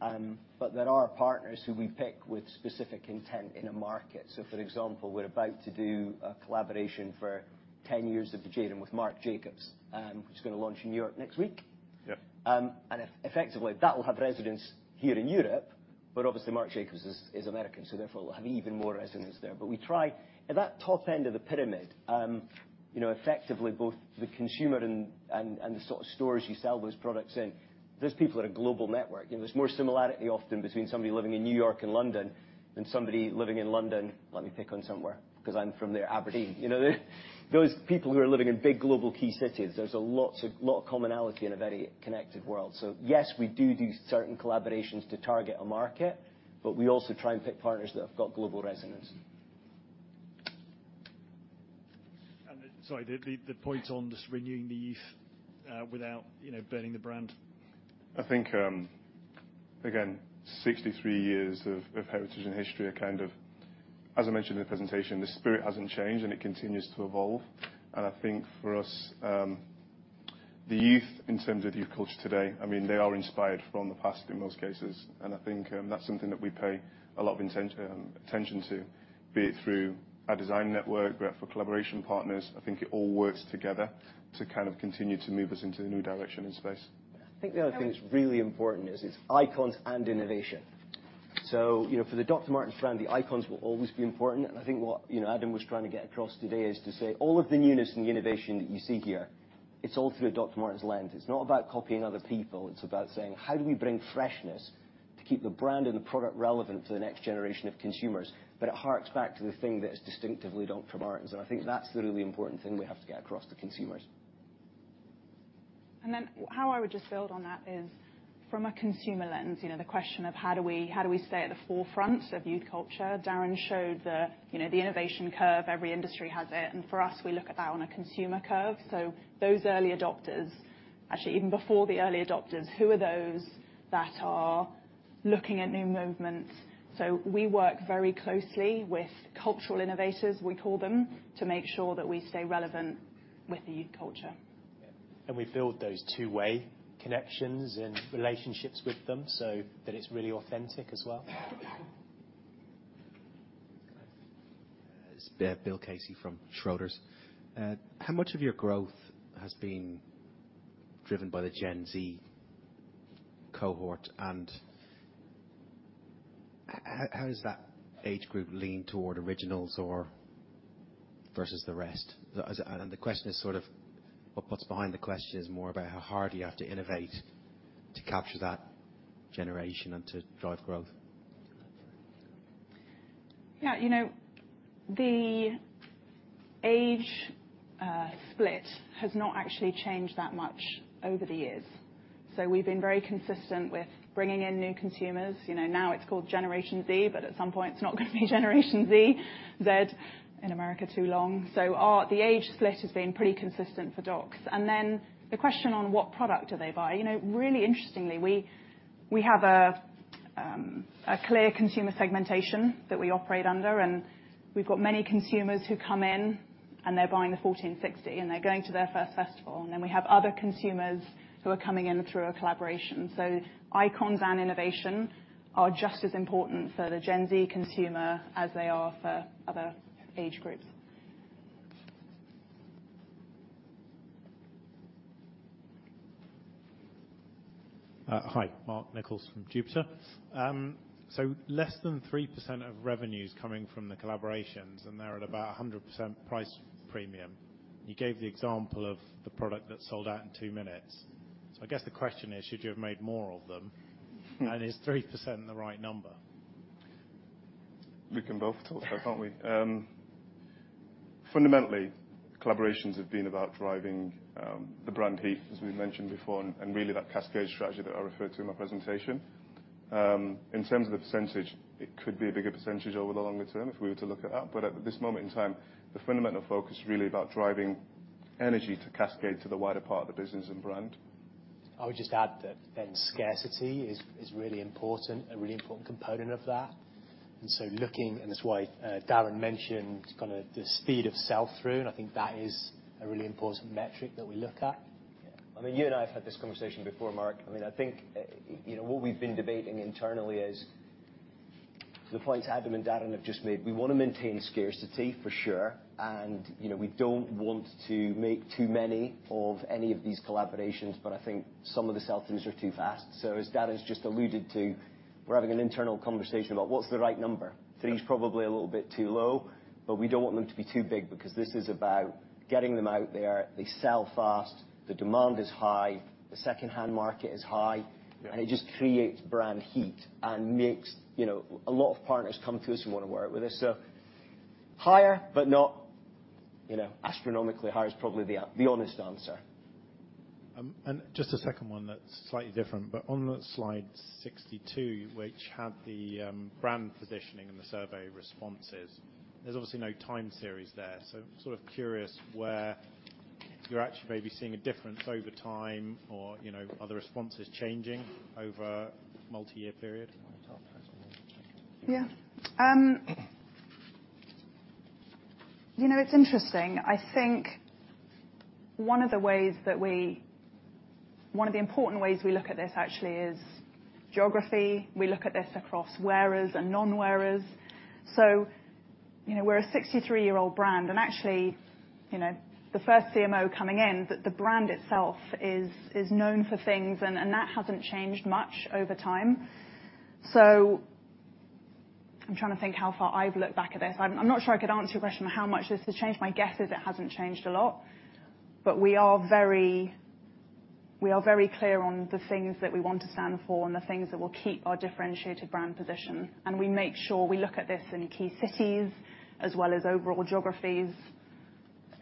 But there are partners who we pick with specific intent in a market. For example, we're about to do a collaboration for 10 years of the Jadon with Marc Jacobs, which is gonna launch in New York next week. Yeah. And effectively, that will have resonance here in Europe, but obviously, Marc Jacobs is American, so therefore it will have even more resonance there. But we try, at that top end of the pyramid, you know, effectively both the consumer and the sort of stores you sell those products in, there's people in a global network. You know, there's more similarity often between somebody living in New York and London than somebody living in London. Let me pick on somewhere, because I'm from there, Aberdeen. You know, those people who are living in big global key cities, there's a lot of commonality in a very connected world. So yes, we do certain collaborations to target a market, but we also try and pick partners that have got global resonance. Sorry, the point on just renewing the youth without, you know, burning the brand. I think, again, 63 years of heritage and history are kind of, as I mentioned in the presentation, the spirit hasn't changed, and it continues to evolve. And I think for us, the youth, in terms of youth culture today, I mean, they are inspired from the past in most cases. And I think, that's something that we pay a lot of attention to, be it through our design network, be it for collaboration partners. I think it all works together to kind of continue to move us into the new direction and space. I think the other thing that's really important is, it's icons and innovation. So, you know, for the Dr. Martens brand, the icons will always be important. And I think what, you know, Adam was trying to get across today is to say all of the newness and the innovation that you see here, it's all through a Dr. Martens lens. It's not about copying other people. It's about saying: How do we bring freshness to keep the brand and the product relevant to the next generation of consumers? But it harks back to the thing that is distinctively Dr. Martens, and I think that's the really important thing we have to get across to consumers. And then, how I would just build on that is, from a consumer lens, you know, the question of how do we, how do we stay at the forefront of youth culture? Darren showed the, you know, the innovation curve. Every industry has it, and for us, we look at that on a consumer curve. So those early adopters, actually, even before the early adopters, who are those that are looking at new movements? So we work very closely with cultural innovators, we call them, to make sure that we stay relevant with the youth culture. Yeah. And we build those two-way connections and relationships with them so that it's really authentic as well. It's Bill Casey from Schroders. How much of your growth has been driven by the Gen Z cohort, and how does that age group lean toward Originals or versus the rest. The question is sort of, what puts behind the question is more about how hard do you have to innovate to capture that generation and to drive growth? Yeah, you know, the age split has not actually changed that much over the years. So we've been very consistent with bringing in new consumers. You know, now it's called Generation Z, but at some point, it's not going to be Generation Z, Zed, in America, too long. So the age split has been pretty consistent for Docs. And then the question on what product do they buy? You know, really interestingly, we have a clear consumer segmentation that we operate under, and we've got many consumers who come in, and they're buying the 1460, and they're going to their first festival. And then we have other consumers who are coming in through a collaboration. So icons and innovation are just as important for the Gen Z consumer as they are for other age groups. Hi, Mark Maybell from Darien. So less than 3% of revenue is coming from the collaborations, and they're at about a 100% price premium. You gave the example of the product that sold out in two minutes. So I guess the question is, should you have made more of them? And is 3% the right number? We can both talk about that, can't we? Fundamentally, collaborations have been about driving the brand heat, as we mentioned before, and really, that cascade strategy that I referred to in my presentation. In terms of the percentage, it could be a bigger percentage over the longer term if we were to look at that. But at this moment in time, the fundamental focus is really about driving energy to cascade to the wider part of the business and brand. I would just add that scarcity is really important, a really important component of that. And so looking, and that's why Darren mentioned kind of the speed of sell-through, and I think that is a really important metric that we look at. Yeah. I mean, you and I have had this conversation before, Mark. I mean, I think, you know, what we've been debating internally is to the points Adam and Darren have just made, we want to maintain scarcity, for sure, and, you know, we don't want to make too many of any of these collaborations, but I think some of the sell-throughs are too fast. So as Darren has just alluded to, we're having an internal conversation about what's the right number. Three's probably a little bit too low, but we don't want them to be too big because this is about getting them out there. They sell fast, the demand is high, the secondhand market is high- Yeah And it just creates brand heat and makes, you know, a lot of partners come to us and want to work with us. So higher, but not, you know, astronomically high is probably the honest answer. And just a second one that's slightly different. But on slide 62, which had the brand positioning and the survey responses, there's obviously no time series there. So sort of curious where you're actually maybe seeing a difference over time or, you know, are the responses changing over a multi-year period? You want to talk first? Yeah. You know, it's interesting. I think one of the ways that we, one of the important ways we look at this actually is geography. We look at this across wearers and non-wearers. So, you know, we're a 63-year-old brand, and actually, you know, the first CMO coming in, the brand itself is known for things, and that hasn't changed much over time. So I'm trying to think how far I've looked back at this. I'm not sure I could answer your question, how much this has changed. My guess is it hasn't changed a lot, but we are very, we are very clear on the things that we want to stand for and the things that will keep our differentiated brand position. We make sure we look at this in key cities as well as overall geographies,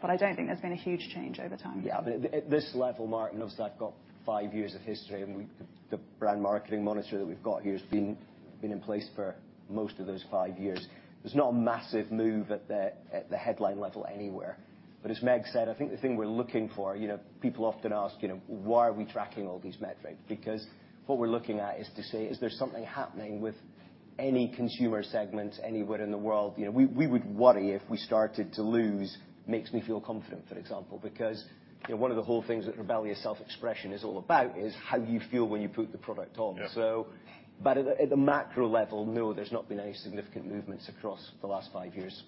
but I don't think there's been a huge change over time. Yeah, but at this level, Mark, and obviously, I've got five years of history, and we, the brand marketing monitor that we've got here has been in place for most of those five years. There's not a massive move at the headline level anywhere. But as Meg said, I think the thing we're looking for, you know, people often ask, you know, "Why are we tracking all these metrics?" Because what we're looking at is to say: Is there something happening with any consumer segment anywhere in the world? You know, we would worry if we started to lose, makes me feel confident, for example, because, you know, one of the whole things that rebellious self-expression is all about is how you feel when you put the product on. Yeah. So, but at the macro level, no, there's not been any significant movements across the last five years.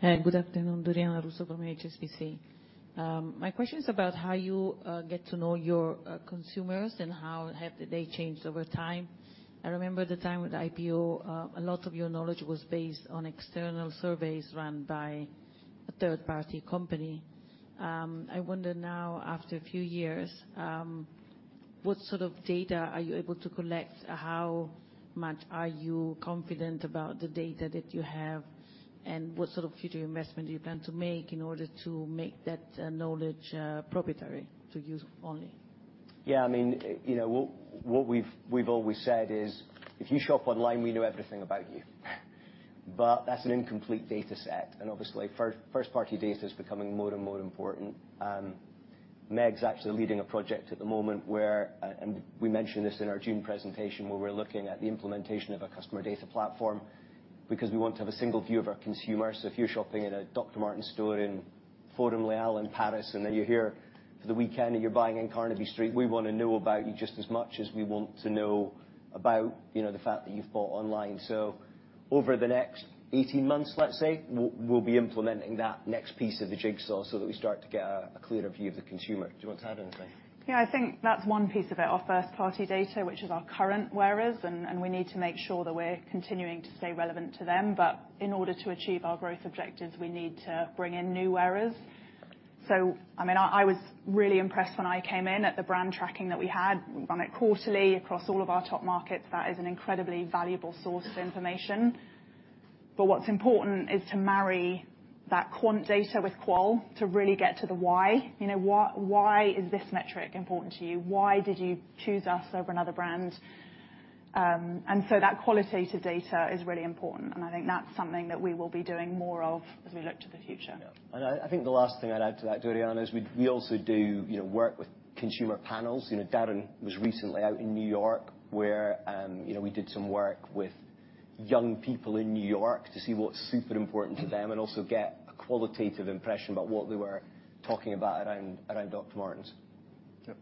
Hey, good afternoon, Doriana Russo from HSBC. My question is about how you get to know your consumers and how have they changed over time. I remember at the time of the IPO, a lot of your knowledge was based on external surveys run by a third-party company. I wonder now, after a few years, what sort of data are you able to collect? How much are you confident about the data that you have, and what sort of future investment do you plan to make in order to make that knowledge proprietary to you only? Yeah, I mean, you know, what we've always said is, "If you shop online, we know everything about you." But that's an incomplete data set, and obviously, first-party data is becoming more and more important. Meg's actually leading a project at the moment where, and we mentioned this in our June presentation, where we're looking at the implementation of a Customer Data Platform because we want to have a single view of our consumers. So if you're shopping in a Dr. Martens store in Forum des Halles in Paris, and then you're here for the weekend and you're buying in Carnaby Street, we want to know about you just as much as we want to know about, you know, the fact that you've bought online. Over the next 18 months, let's say, we'll be implementing that next piece of the jigsaw so that we start to get a clearer view of the consumer. Do you want to add anything? Yeah, I think that's one piece of it, our first-party data, which is our current wearers, and we need to make sure that we're continuing to stay relevant to them. But in order to achieve our growth objectives, we need to bring in new wearers. So, I mean, I was really impressed when I came in at the brand tracking that we had. We run it quarterly across all of our top markets. That is an incredibly valuable source of information. But what's important is to marry that quant data with qual to really get to the why. You know, why is this metric important to you? Why did you choose us over another brand? And so that qualitative data is really important, and I think that's something that we will be doing more of as we look to the future. Yeah. And I think the last thing I'd add to that, Adriana, is we also do, you know, work with consumer panels. You know, Darren was recently out in New York, where, you know, we did some work with young people in New York to see what's super important to them, and also get a qualitative impression about what they were talking about around Dr. Martens. Yep.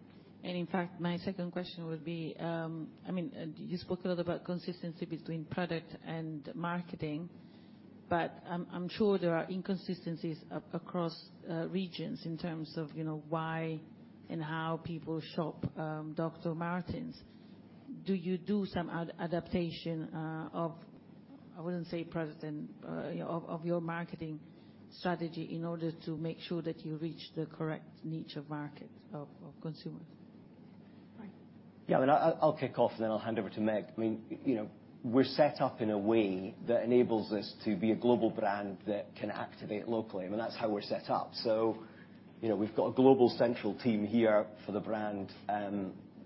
In fact, my second question would be, I mean, you spoke a lot about consistency between product and marketing, but I'm, I'm sure there are inconsistencies across regions in terms of, you know, why and how people shop Dr. Martens. Do you do some adaptation of, I wouldn't say precedent, of your marketing strategy in order to make sure that you reach the correct niche of market of consumers? Right. Yeah, and I'll, I'll kick off, and then I'll hand over to Meg. I mean, you know, we're set up in a way that enables us to be a global brand that can activate locally. I mean, that's how we're set up. So, you know, we've got a global central team here for the brand,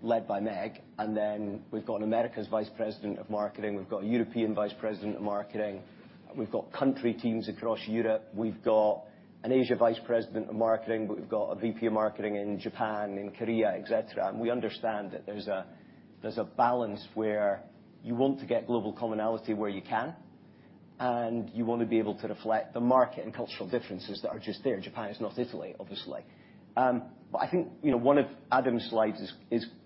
led by Meg, and then we've got an Americas vice president of marketing, we've got a European vice president of marketing, we've got country teams across Europe. We've got an Asia vice president of marketing, but we've got a VP of marketing in Japan, in Korea, et cetera. And we understand that there's a, there's a balance where you want to get global commonality where you can, and you want to be able to reflect the market and cultural differences that are just there. Japan is not Italy, obviously. But, I think, you know, one of Adam's slides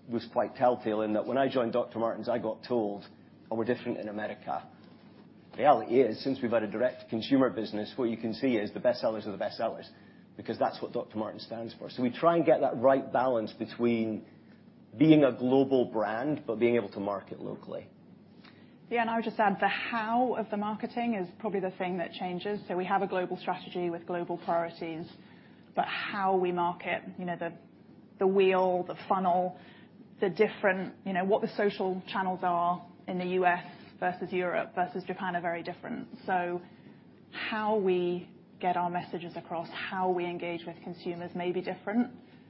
was quite telltale in that when I joined Dr. Martens, I got told, "Oh, we're different in America." The reality is, since we've had a direct consumer business, what you can see is the best sellers are the best sellers, because that's what Dr. Martens stands for. So we try and get that right balance between being a global brand but being able to market locally. Yeah, and I would just add, the how of the marketing is probably the thing that changes. So we have a global strategy with global priorities, but how we market, you know, the, the wheel, the funnel, the different... You know, what the social channels are in the U.S. versus Europe versus Japan, are very different. So how we get our messages across, how we engage with consumers may be different,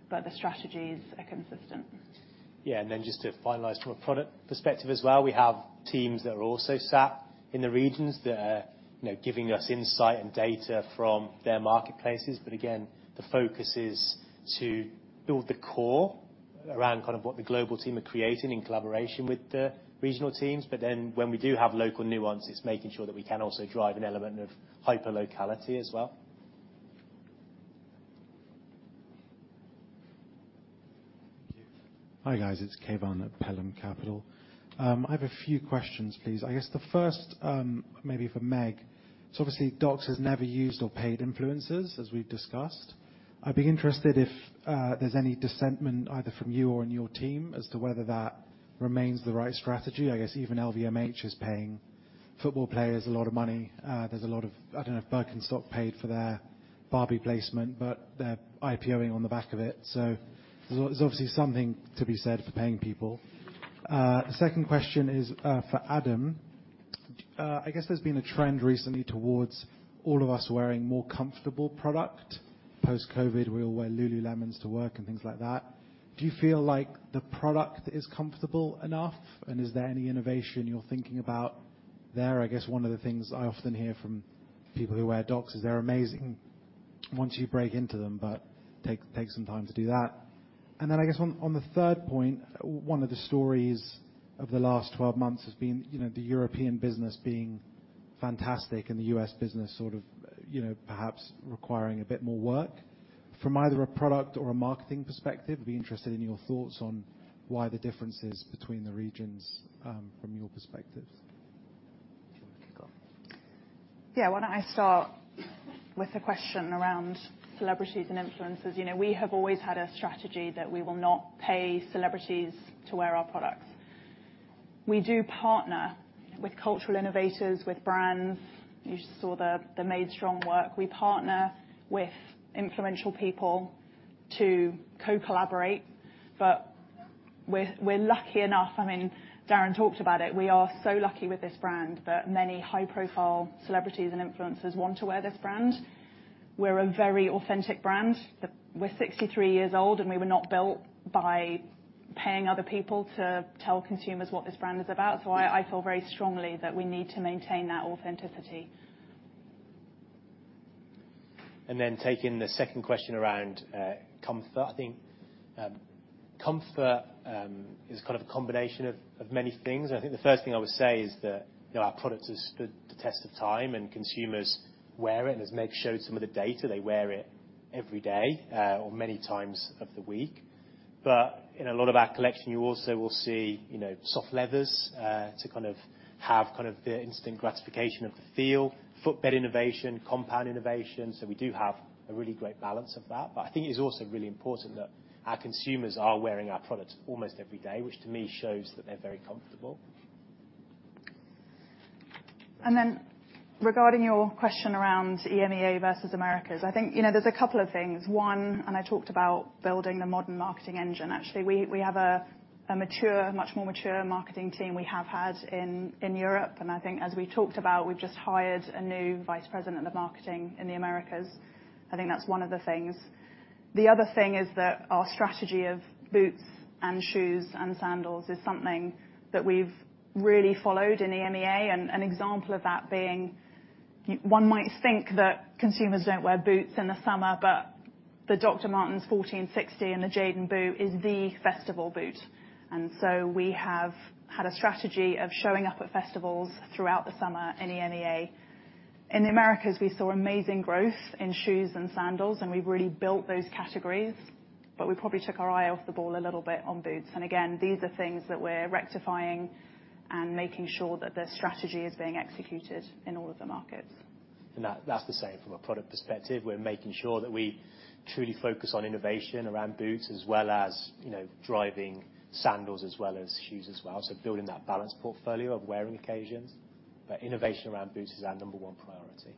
but the strategies are consistent. Yeah, and then just to finalize, from a product perspective as well, we have teams that are also sat in the regions that are, you know, giving us insight and data from their marketplaces. But again, the focus is to build the core around kind of what the global team are creating in collaboration with the regional teams. But then when we do have local nuance, it's making sure that we can also drive an element of hyper locality as well. Thank you. Hi, guys, it's Kayvan at Pelham Capital. I have a few questions, please. I guess the first, maybe for Meg. So obviously, Docs has never used or paid influencers, as we've discussed. I'd be interested if there's any dissension, either from you or in your team, as to whether that remains the right strategy. I guess even LVMH is paying football players a lot of money. There's a lot of I don't know if Birkenstock paid for their Barbie placement, but they're IPO-ing on the back of it, so there's obviously something to be said for paying people. The second question is, for Adam. I guess there's been a trend recently towards all of us wearing more comfortable product. Post-COVID, we all wear Lululemons to work and things like that. Do you feel like the product is comfortable enough, and is there any innovation you're thinking about there? I guess one of the things I often hear from people who wear Docs is they're amazing once you break into them, but takes some time to do that. And then I guess on the third point, one of the stories of the last 12 months has been, you know, the European business being fantastic and the US business sort of, you know, perhaps requiring a bit more work. From either a product or a marketing perspective, I'd be interested in your thoughts on why the differences between the regions from your perspectives. Do you want to kick off? Yeah, why don't I start with the question around celebrities and influencers? You know, we have always had a strategy that we will not pay celebrities to wear our products. We do partner with cultural innovators, with brands. You saw the, the Made Strong work. We partner with influential people to co-collaborate, but we're, we're lucky enough... I mean, Darren talked about it. We are so lucky with this brand that many high-profile celebrities and influencers want to wear this brand. We're a very authentic brand. We're 63 years old, and we were not built by paying other people to tell consumers what this brand is about, so I, I feel very strongly that we need to maintain that authenticity. Taking the second question around comfort, I think comfort is kind of a combination of many things. I think the first thing I would say is that, you know, our product has stood the test of time, and consumers wear it. As Meg showed some of the data, they wear it every day, or many times of the week... but in a lot of our collection, you also will see, you know, soft leathers, to kind of have kind of the instant gratification of the feel, footbed innovation, compound innovation. So we do have a really great balance of that. But I think it's also really important that our consumers are wearing our products almost every day, which to me shows that they're very comfortable. Then regarding your question around EMEA versus Americas, I think, you know, there's a couple of things. One, I talked about building the modern marketing engine. Actually, we have a mature, much more mature marketing team we have had in Europe, and I think as we talked about, we've just hired a new vice president of marketing in the Americas. I think that's one of the things. The other thing is that our strategy of boots and shoes and sandals is something that we've really followed in EMEA, and an example of that being, one might think that consumers don't wear boots in the summer, but the Dr. Martens 1460 and the Jadon boot is the festival boot. And so we have had a strategy of showing up at festivals throughout the summer in EMEA. In the Americas, we saw amazing growth in shoes and sandals, and we really built those categories, but we probably took our eye off the ball a little bit on boots. And again, these are things that we're rectifying and making sure that the strategy is being executed in all of the markets. That, that's the same from a product perspective. We're making sure that we truly focus on innovation around boots as well as, you know, driving sandals as well as shoes as well. Building that balanced portfolio of wearing occasions, but innovation around boots is our number one priority.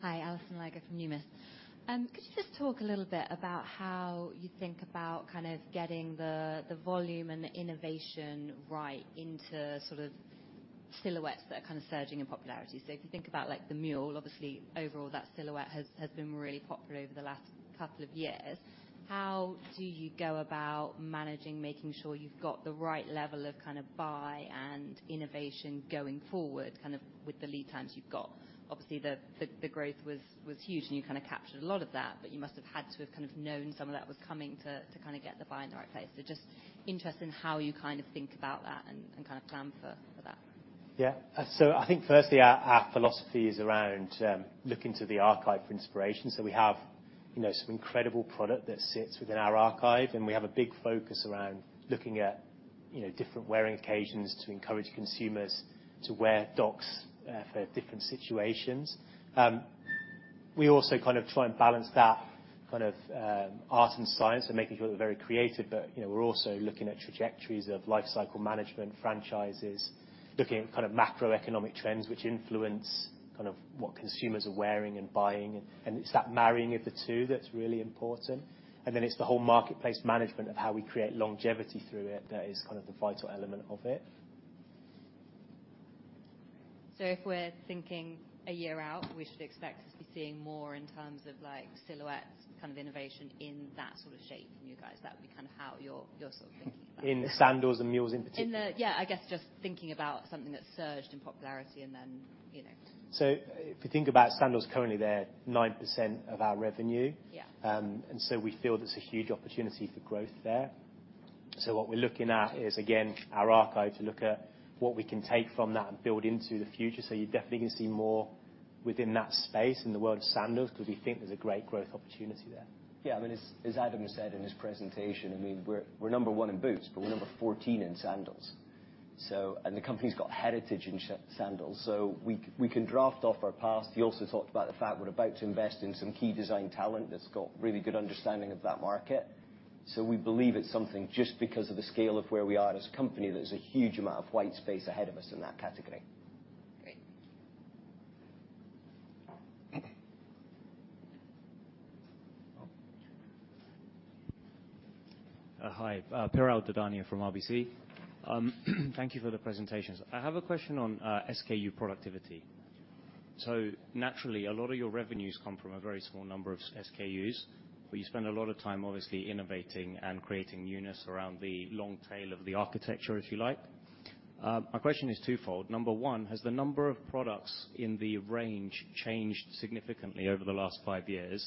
Hi, Alison Lygo from Numis. Could you just talk a little bit about how you think about kind of getting the volume and the innovation right into sort of silhouettes that are kind of surging in popularity? So if you think about, like, the mule, obviously overall, that silhouette has been really popular over the last couple of years. How do you go about managing, making sure you've got the right level of kind of buy and innovation going forward, kind of with the lead times you've got? Obviously, the growth was huge, and you kind of captured a lot of that, but you must have had to have kind of known some of that was coming to kinda get the buy in the right place. Just interested in how you kind of think about that and kind of plan for that? Yeah. So I think firstly, our philosophy is around looking to the archive for inspiration. So we have, you know, some incredible product that sits within our archive, and we have a big focus around looking at, you know, different wearing occasions to encourage consumers to wear Docs for different situations. We also kind of try and balance that kind of art and science and making sure we're very creative, but, you know, we're also looking at trajectories of life cycle management, franchises, looking at kind of macroeconomic trends, which influence kind of what consumers are wearing and buying. And it's that marrying of the two that's really important, and then it's the whole marketplace management of how we create longevity through it that is kind of the vital element of it. So if we're thinking a year out, we should expect to be seeing more in terms of, like, silhouettes, kind of innovation in that sort of shape from you guys. That would be kind of how you're sort of thinking about it. In the sandals and mules in particular? Yeah, I guess just thinking about something that's surged in popularity and then, you know. If you think about sandals, currently, they're 9% of our revenue. Yeah. And so we feel there's a huge opportunity for growth there. So what we're looking at is, again, our archive, to look at what we can take from that and build into the future. So you're definitely going to see more within that space in the world of sandals, because we think there's a great growth opportunity there. Yeah, I mean, as Adam has said in his presentation, I mean, we're number one in boots, but we're number 14 in sandals. So and the company's got heritage in sandals, so we can draft off our past. He also talked about the fact we're about to invest in some key design talent that's got really good understanding of that market. So we believe it's something, just because of the scale of where we are as a company, there's a huge amount of white space ahead of us in that category. Great. Hi. Piral Dadhania from RBC. Thank you for the presentations. I have a question on SKU productivity. So naturally, a lot of your revenues come from a very small number of SKUs, but you spend a lot of time, obviously, innovating and creating newness around the long tail of the architecture, if you like. My question is twofold. Number one, has the number of products in the range changed significantly over the last five years?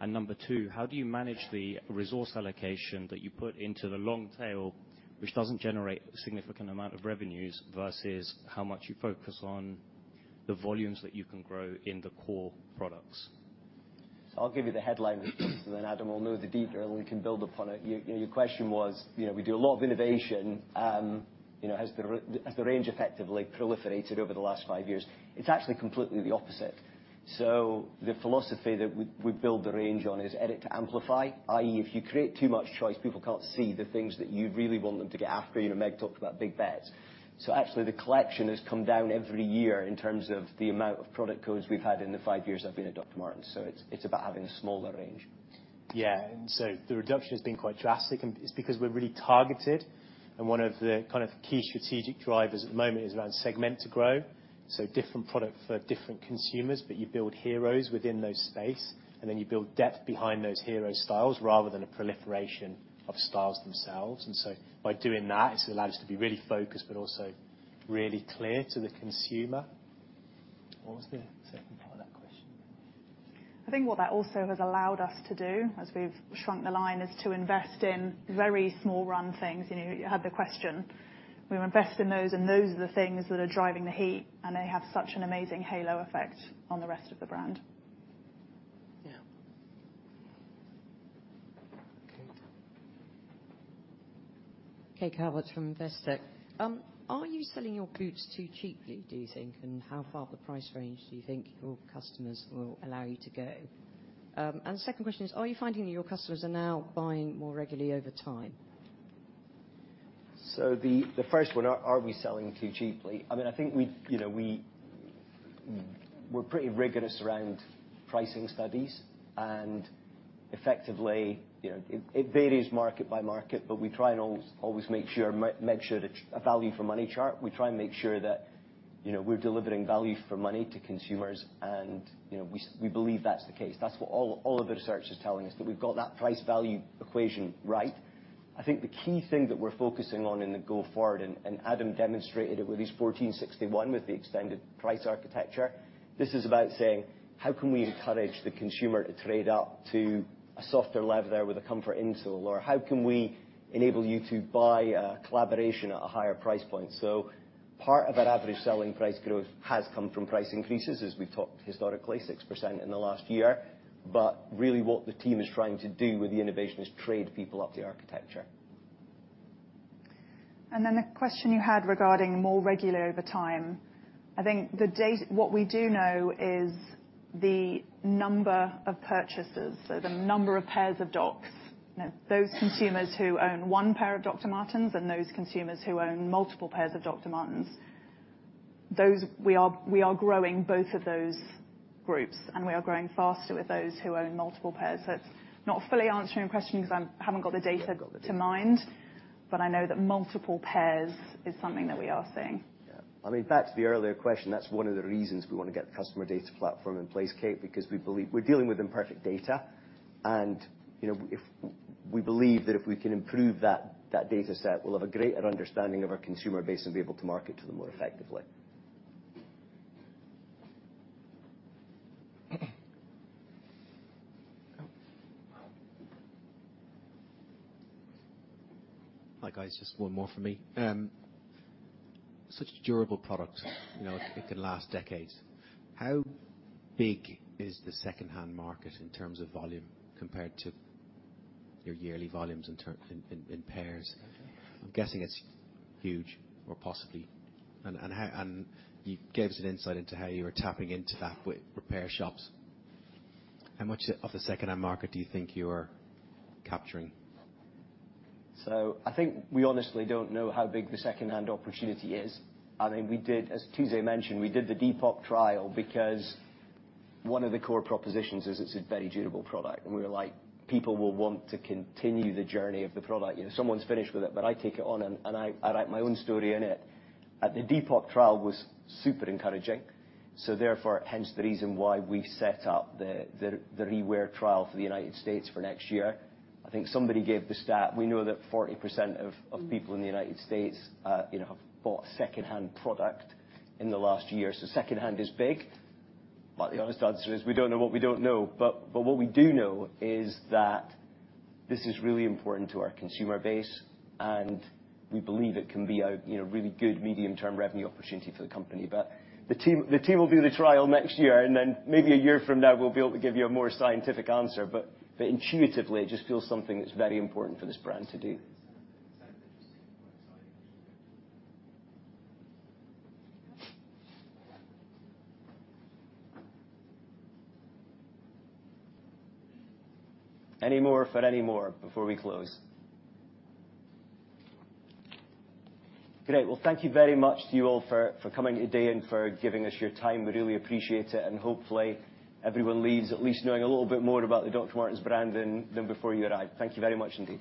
And number two, how do you manage the resource allocation that you put into the long tail, which doesn't generate a significant amount of revenues, versus how much you focus on the volumes that you can grow in the core products? I'll give you the headline response, and then Adam will know the detail, and we can build upon it. Your question was, you know, we do a lot of innovation, you know, has the range effectively proliferated over the last five years? It's actually completely the opposite. So the philosophy that we build the range on is edit to amplify if you create too much choice, people can't see the things that you really want them to get after. You know, Meg talked about big bets. So actually, the collection has come down every year in terms of the amount of product codes we've had in the five years I've been at Dr. Martens, so it's about having a smaller range. Yeah. And so the reduction has been quite drastic, and it's because we're really targeted, and one of the kind of key strategic drivers at the moment is around segment to grow, so different product for different consumers, but you build heroes within those space, and then you build depth behind those hero styles rather than a proliferation of styles themselves. And so by doing that, it's allowed us to be really focused but also really clear to the consumer. What was the second part of that question? I think what that also has allowed us to do, as we've shrunk the line, is to invest in very small run things. You know, you had the question. We invest in those, and those are the things that are driving the heat, and they have such an amazing halo effect on the rest of the brand. Yeah. Kate? Kate Calvert from Investec. Are you selling your boots too cheaply, do you think? And how far up the price range do you think your customers will allow you to go? And the second question is, are you finding that your customers are now buying more regularly over time? So the first one, are we selling too cheaply? I mean, I think we, you know, we're pretty rigorous around pricing studies, and effectively, you know, it varies market by market, but we try and always make sure it's a value for money chart. We try and make sure that, you know, we're delivering value for money to consumers and, you know, we believe that's the case. That's what all of the research is telling us, that we've got that price-value equation right. I think the key thing that we're focusing on in the go forward, and Adam demonstrated it with his 1461, with the extended price architecture. This is about saying: How can we encourage the consumer to trade up to a softer leather with a comfort insole? Or how can we enable you to buy a collaboration at a higher price point? So part of that average selling price growth has come from price increases, as we've talked historically, 6% in the last year. But really, what the team is trying to do with the innovation is trade people up the architecture. And then the question you had regarding more regularly over time, I think the date. What we do know is the number of purchases, so the number of pairs of Docs. You know, those consumers who own one pair of Dr. Martens and those consumers who own multiple pairs of Dr. Martens, those we are, we are growing both of those groups, and we are growing faster with those who own multiple pairs. So it's not fully answering your question because I haven't got the data Yeah. to mind, but I know that multiple pairs is something that we are seeing. Yeah. I mean, back to the earlier question, that's one of the reasons we want to get the customer data platform in place, Kate, because we believe. We're dealing with imperfect data, and, you know, if we believe that if we can improve that, that data set, we'll have a greater understanding of our consumer base and be able to market to them more effectively. Hi, guys, just one more from me. Such a durable product, you know, it can last decades. How big is the secondhand market in terms of volume compared to your yearly volumes in terms of pairs? I'm guessing it's huge or possibly. And you gave us an insight into how you were tapping into that with repair shops. How much of the secondhand market do you think you are capturing? I think we honestly don't know how big the secondhand opportunity is. I mean, we did, as Tuze mentioned, we did the Depop trial because one of the core propositions is it's a very durable product, and we were like, "People will want to continue the journey of the product." You know, someone's finished with it, but I take it on, and I write my own story in it. And the Depop trial was super encouraging, so therefore, hence the reason why we set up the ReWair trial for the United States for next year. I think somebody gave the stat. We know that 40% of people in the United States, you know, have bought secondhand product in the last year. So secondhand is big, but the honest answer is we don't know what we don't know. But what we do know is that this is really important to our consumer base, and we believe it can be a, you know, really good medium-term revenue opportunity for the company. But the team will do the trial next year, and then maybe a year from now, we'll be able to give you a more scientific answer. But intuitively, it just feels something that's very important for this brand to do. Sounds interesting, quite exciting. Any more for any more before we close? Great, well, thank you very much to you all for coming today and for giving us your time. We really appreciate it, and hopefully, everyone leaves at least knowing a little bit more about the Dr. Martens brand than before you arrived. Thank you very much indeed.